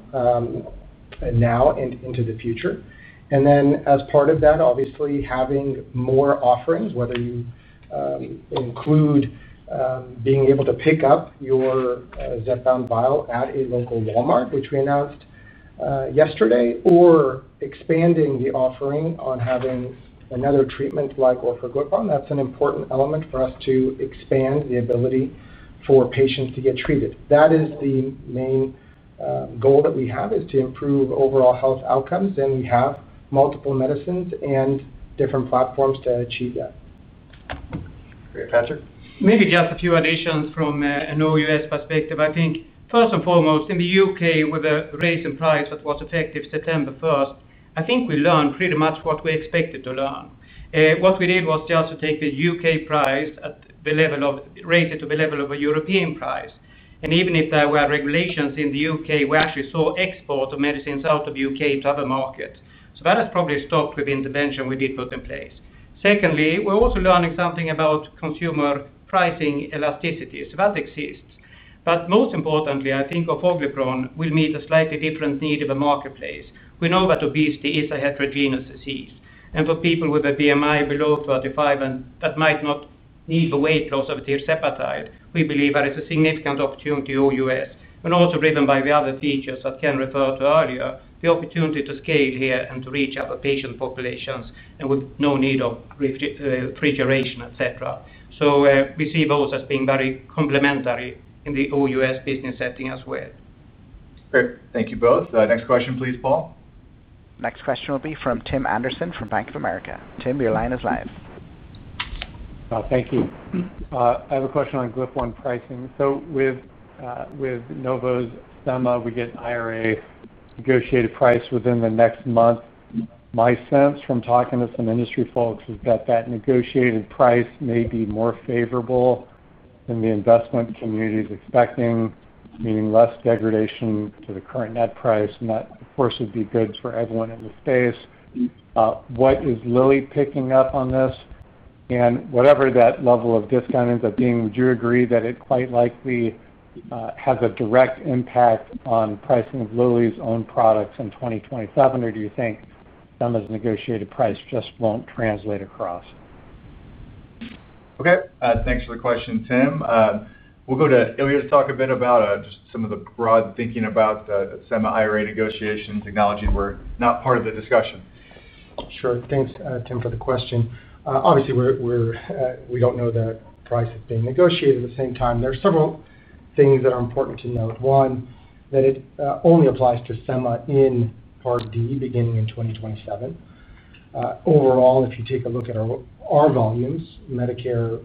S12: now and into the future. As part of that, obviously having more offerings, whether you include being able to pick up your Zepbound vial at a local Walmart, which we announced yesterday, or expanding the offering on having another treatment like orforglipron, that's an important element for us to expand the ability for patients to get treated. That is the main goal that we have, to improve overall health outcomes, and we have multiple medicines and different platforms to achieve that.
S2: Patrick.
S8: Maybe just a few additions from an OUS perspective. I think first and foremost in the U.K. with a raise in price that was effective September 1st, I think we learned pretty much what we expected to learn. What we did was just to take the U.K. price, rate it to the level of a European price. Even if there were regulations in the U.K., we actually saw export of medicines out of the U.K. to other markets. That has probably stopped with the intervention we did put in place. Secondly, we're also learning something about consumer pricing elasticity. That exists. Most importantly, I think orforglipron will meet a slightly different need in the marketplace. We know that obesity is a heterogeneous disease, and for people with a BMI below 35 that might not need the weight loss of tirzepatide, we believe there is a significant opportunity OUS and also driven by the other features that Ken referred to earlier, the opportunity to scale here and to reach other patient populations and with no need of refrigeration. We see those as being very complementary in the OUS business setting as well.
S2: Great. Thank you both. Next question, please. Paul.
S1: Next question will be from Tim Anderson from Bank of America. Tim, your line is live.
S19: Thank you. I have a question on GLP-1 pricing. With Novo's semaglutide, we get IRA negotiated price within the next month. My sense from talking to some industry folks is that that negotiated price may be more favorable than the investment community is expecting, meaning less degradation to the current net price. That of course would be good for everyone in the space, what is Lilly picking up on this, and whatever that level of discount ends up being, would you agree that it quite likely has a direct impact on pricing of Lilly's own products in 2027? Do you think EMA's negotiated price just won't translate across?
S2: Okay, thanks for the question, Tim. We'll go to Ilya to talk a bit about just some of the broad thinking about SEMA IRA negotiation technology where not part of the discussion.
S12: Sure. Thanks, Tim, for the question. Obviously, we don't know the price being negotiated. At the same time, there are several things that are important to note. One, that it only applies to FEMA in Part D beginning in 2027. Overall, if you take a look at our volumes, Medicare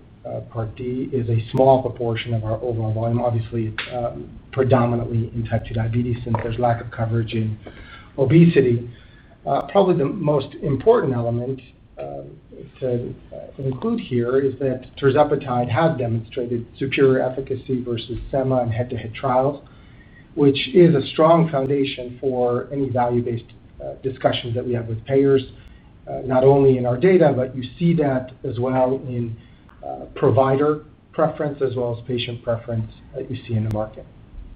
S12: Part D is a small proportion of our overall volume, obviously predominantly in type 2 diabetes since there's lack of coverage in obesity. Probably the most important element to include here is that tirzepatide has demonstrated superior efficacy versus SEMA in head-to-head trials, which is a strong foundation for any value-based discussions that we have with payers. Not only in our data, but you see that as well in provider preference as well as patient preference that you see in the market.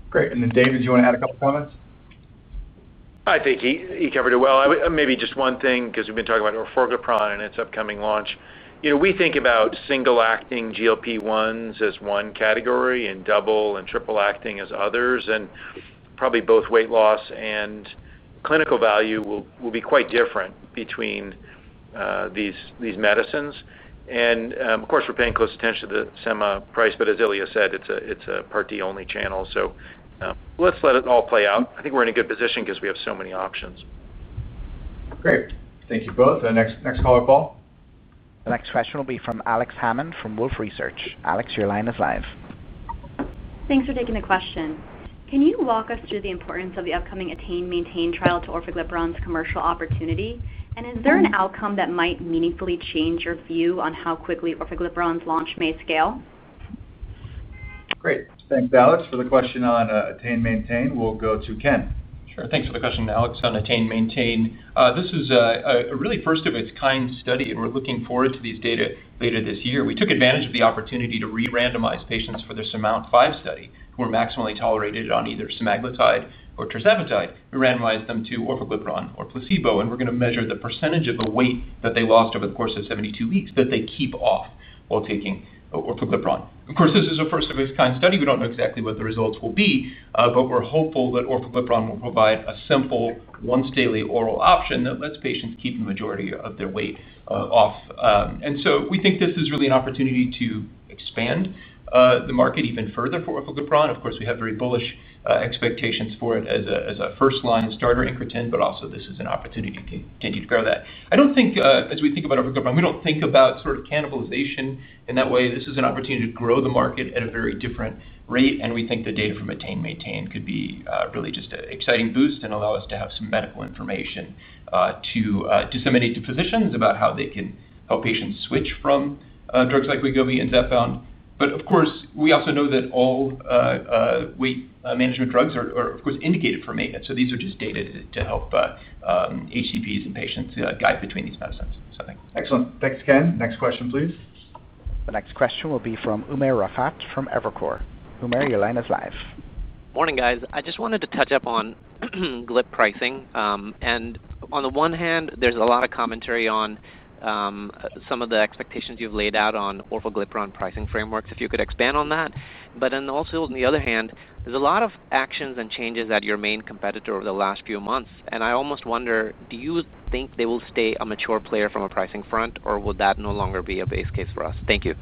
S2: Great. David, do you want to add a couple of points?
S3: I think he covered it well. Maybe just one thing because we've been talking about orforglipron and its upcoming launch. We think about single acting GLP-1s as one category, and double and triple acting as others. Probably both weight loss and clinical value will be quite different between these medicines. Of course, we're paying close attention to the SEMA price, but as Ilya said, it's a Part D only channel. Let's let it all play out. I think we're in a good position because we have so many options.
S2: Great, thank you both. The next question Paul.
S1: The next question will be from Alex Hammond from Wolfe Research. Alex, your line is live.
S20: Thanks for taking the question. Can you walk us through the importance of the upcoming Attain Maintain trial to orforglipron's commercial opportunity, and is there an outcome that might meaningfully change your view on how quickly orforglipron's launch may scale?
S2: Great, thanks Alex. For the question on ATTAIN-MAINTAIN, we'll go to Ken.
S17: Sure. Thanks for the question, Alex. On ATTAIN-MAINTAIN. This is a really first of its kind study and we're looking forward to these data later this year. We took advantage of the opportunity to re-randomize patients for their SURMOUNT-5 study who were maximally tolerated on either semaglutide or tirzepatide. We randomized them to orforglipron or placebo and we're going to measure the percentage of the weight that they lost over the course of 72 weeks that they keep off while taking orforglipron. Of course, this is a first of its kind study. We don't know exactly what the results will be, but we're hopeful that orforglipron will provide a simple once daily oral option that lets patients keep the majority of their weight off. We think this is really an opportunity to expand the market even further for orforglipron. We have very bullish expectations for it as a first line starter increment. This is an opportunity to continue to grow that. I don't think as we think about, we don't think about sort of cannibalization in that way. This is an opportunity to grow the market at a very different rate and we think the data from ATTAIN-MAINTAIN could be really just an exciting boost and allow us to have some medical information to disseminate to physicians about how they can help patients switch from drugs like Wegovy and Zepbound. We also know that all weight management drugs are of course indicated for maintenance. These are just data to help HCPs and patients guide between these medicines.
S2: Excellent. Thanks, Ken. Next question, please.
S1: The next question will be from Umar Rafat from Evercore. Umer. Your line is live.
S21: Morning guys. I just wanted to touch up on GLP-1 pricing. On the one hand, there's a lot of commentary on some of the expectations you've laid out on orforglipron pricing frameworks. If you could expand on that. On the other hand, there's a lot of actions and changes at your main competitor over the last few months, and I almost wonder, do you think they will stay a mature player from a pricing front or would that no longer be a base case for us? Thank you.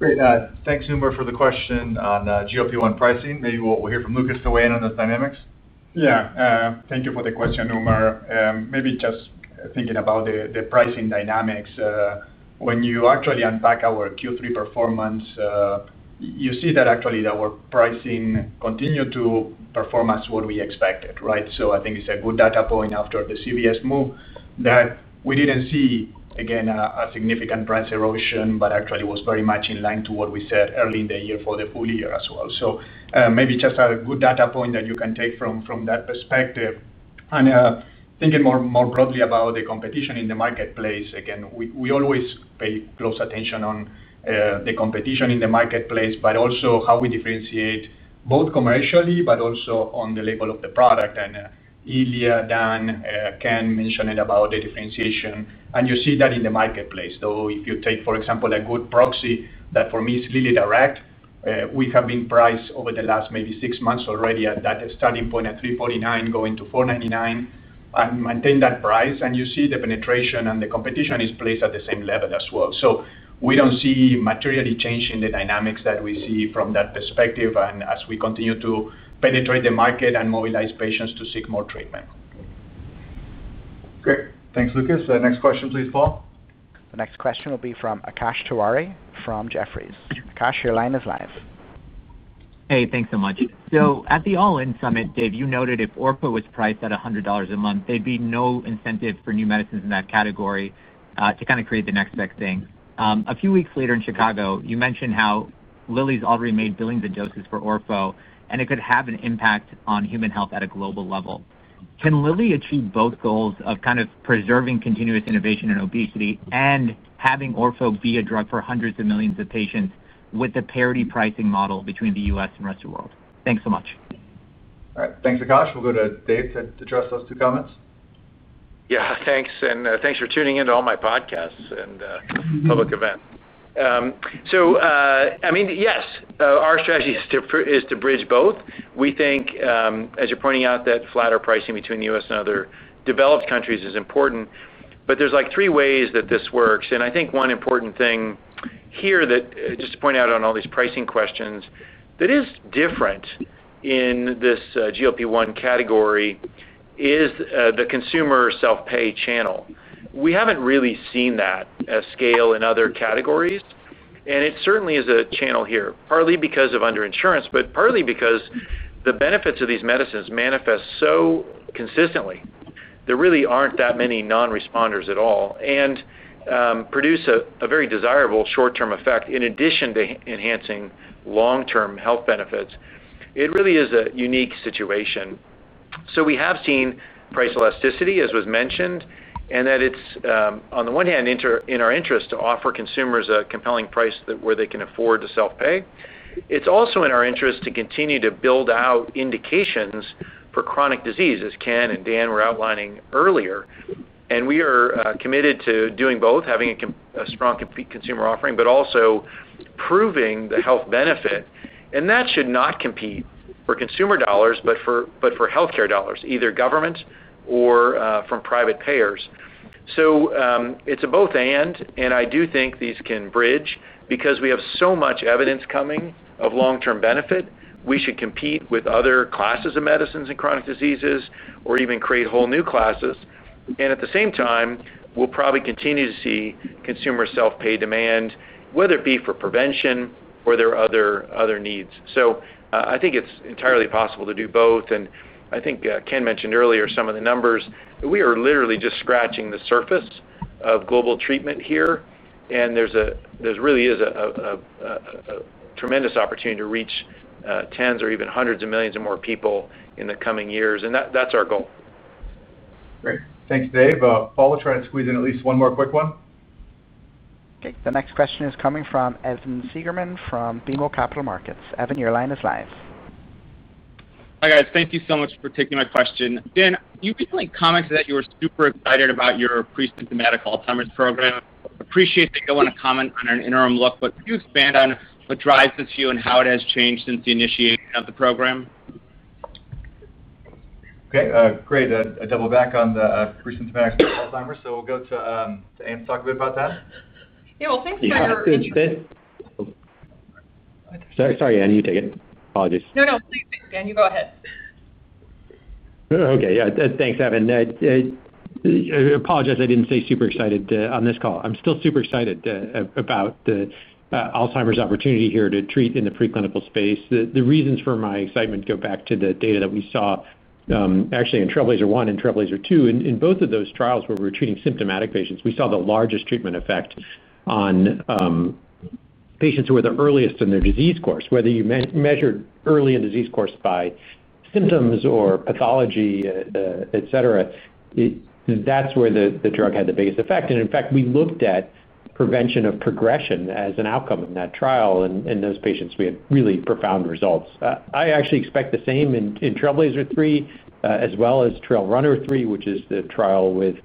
S2: Great. Thanks, Umar, for the question on GLP-1 pricing. Maybe we'll hear from Lucas to weigh in on those dynamics.
S4: Yeah, thank you for the question, Umar. Maybe just thinking about the pricing dynamics, when you actually unpack our Q3 performance, you see that actually our pricing continued to perform as we expected. Right. I think it's a good data point after the CVS move that we didn't see a significant price erosion, but actually it was very much in line with what we said early in the year for the full year as well. It's a good data point that you can take from that perspective. Thinking more broadly about the competition in the marketplace, we always pay close attention to the competition in the marketplace, but also how we differentiate both commercially and on the level of the product. Ilya, Dan, and Ken mentioned the differentiation, and you see that in the marketplace. If you take, for example, a good proxy that for me is really direct, we have been priced over the last maybe six months already at that starting point at $349, going to $499, and maintain that price. You see the penetration, and the competition is placed at the same level as well. We don't see materially changing the dynamics that we see from that perspective as we continue to penetrate the market and mobilize patients to seek more treatment.
S2: Great. Thanks, Lucas. Next question, please. Paul.
S1: The next question will be from Akash Tewari from Jefferies. Akash, your line is live.
S22: Hey, thanks so much. At the All In Summit, Dave, you noted if orforglipron was priced at $100 a month, there'd be no incentive for new medicines in that category to kind of create the next big thing. A few weeks later in Chicago, you mentioned how Lilly's already made billions of doses for orforglipron and it could have an impact on human health at a global level. Can Lilly achieve both goals of kind of preserving continuous innovation in obesity and having orforglipron be a drug for hundreds of millions of patients with the parity pricing model between the U.S. and the rest of the world? Thanks so much.
S2: All right, thanks, Akash. We'll go to Dave to address those two comments.
S5: Yeah, thanks. Thanks for tuning in to all my podcasts and public events. Yes, our strategy is to bridge both. We think, as you're pointing out, that flatter pricing between the U.S. and other developed countries is important. There are like three ways that this works. One important thing here to point out on all these pricing questions that is different in this GLP-1 category is the consumer self-pay channel. We haven't really seen that scale in other categories and it certainly is a channel here, partly because of underinsurance, but partly because the benefits of these medicines manifest so consistently. There really aren't that many non-responders at all and they produce a very desirable short-term effect in addition to enhancing long-term health benefits. It really is a unique situation. We have seen price elasticity as was mentioned and that it's on the one hand interaction in our interest to offer consumers a compelling price where they can afford to self-pay. It's also in our interest to continue to build out indications for chronic disease as Ken and Dan were outlining earlier. We are committed to doing both, having a strong consumer offering but also proving the health benefit. That should not compete for consumer dollars but for health care dollars, either government or from private payers. It's a both and, and I do think these can bridge because we have so much evidence coming of long-term benefit we should compete with other classes of medicines and chronic diseases or even create whole new classes. At the same time we'll probably continue to see consumer self-pay demand whether it be for prevention or there are other needs. I think it's entirely possible to do both. Ken mentioned earlier some of the numbers. We are literally just scratching the surface of global treatment here. There really is a tremendous opportunity to reach tens or even hundreds of millions of more people in the coming years. That's our goal.
S2: Great, thanks Dave. Paul, trying to squeeze in at least one more quick one.
S1: The next question is coming from Evan Seigerman from BMO Capital Markets. Evan, your line is live.
S23: Hi guys. Thank you so much for taking my question. Dan, you recently commented that you were super excited about your presymptomatic Alzheimer's program. Appreciate that you don't want to comment on an interim look, could you expand on what drives this view on how has it changed since the initiation of the program?
S2: Okay, great. I'll double back on the presymptomatic Alzheimer's. We'll go to Anne, talk a bit about that.
S14: Yeah, thanks.
S5: Sorry. Anne, you take it. Apologies.
S14: No, please Dan, you go ahead.
S5: Okay, yeah, thanks. Evan, I apologize. I didn't say super excited on this call. I'm still super excited about the Alzheimer's opportunity here to treat in the preclinical space. The reasons for my excitement go back to the data that we saw actually in Trailblazer 1 and Trailblazer 2. In both of those trials where we were treating symptomatic patients, we saw the largest treatment effect on patients who were the earliest in their disease course. Whether you measured early in the disease course by symptoms or pathology, etc., that's where the drug had the biggest effect. In fact, we looked at prevention of progression as an outcome in that trial and in those patients we had really profound results. I actually expect the same in TRAILBLAZER-ALZ 3 as well as TRAILRUNNER-ALZ 3, which is the trial with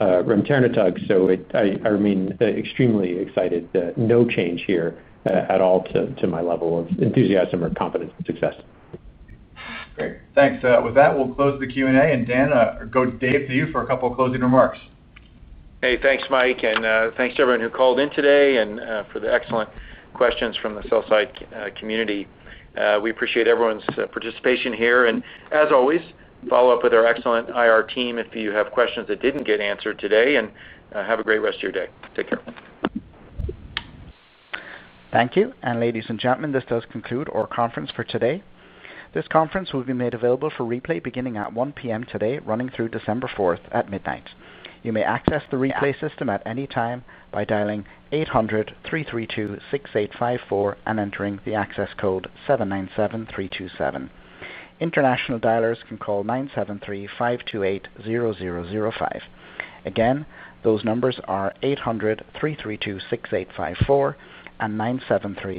S5: remternetug. I remain extremely excited. No change here at all to my level of enthusiasm or confidence and success.
S2: Great. Thanks. With that, we'll close the Q&A. Dan, go to Dave for a couple of closing remarks.
S3: Hey, thanks Mike. Thanks to everyone who called in today and for the excellent questions from the sell side community. We appreciate everyone's participation here. As always, follow up with our excellent IR team if you have questions that didn't get answered today, and have a great rest of your day. Take care.
S1: Thank you. Ladies and gentlemen, this does conclude our conference for today. This conference will be made available for replay beginning at 1:00 P.M. today, running through December 4th at midnight. You may access the replay system at any time by dialing 800-332-6854 and entering the access code 797-327. International dialers can call 973-528-0005. Again, those numbers are 800-332-6854 and 973-528-0005.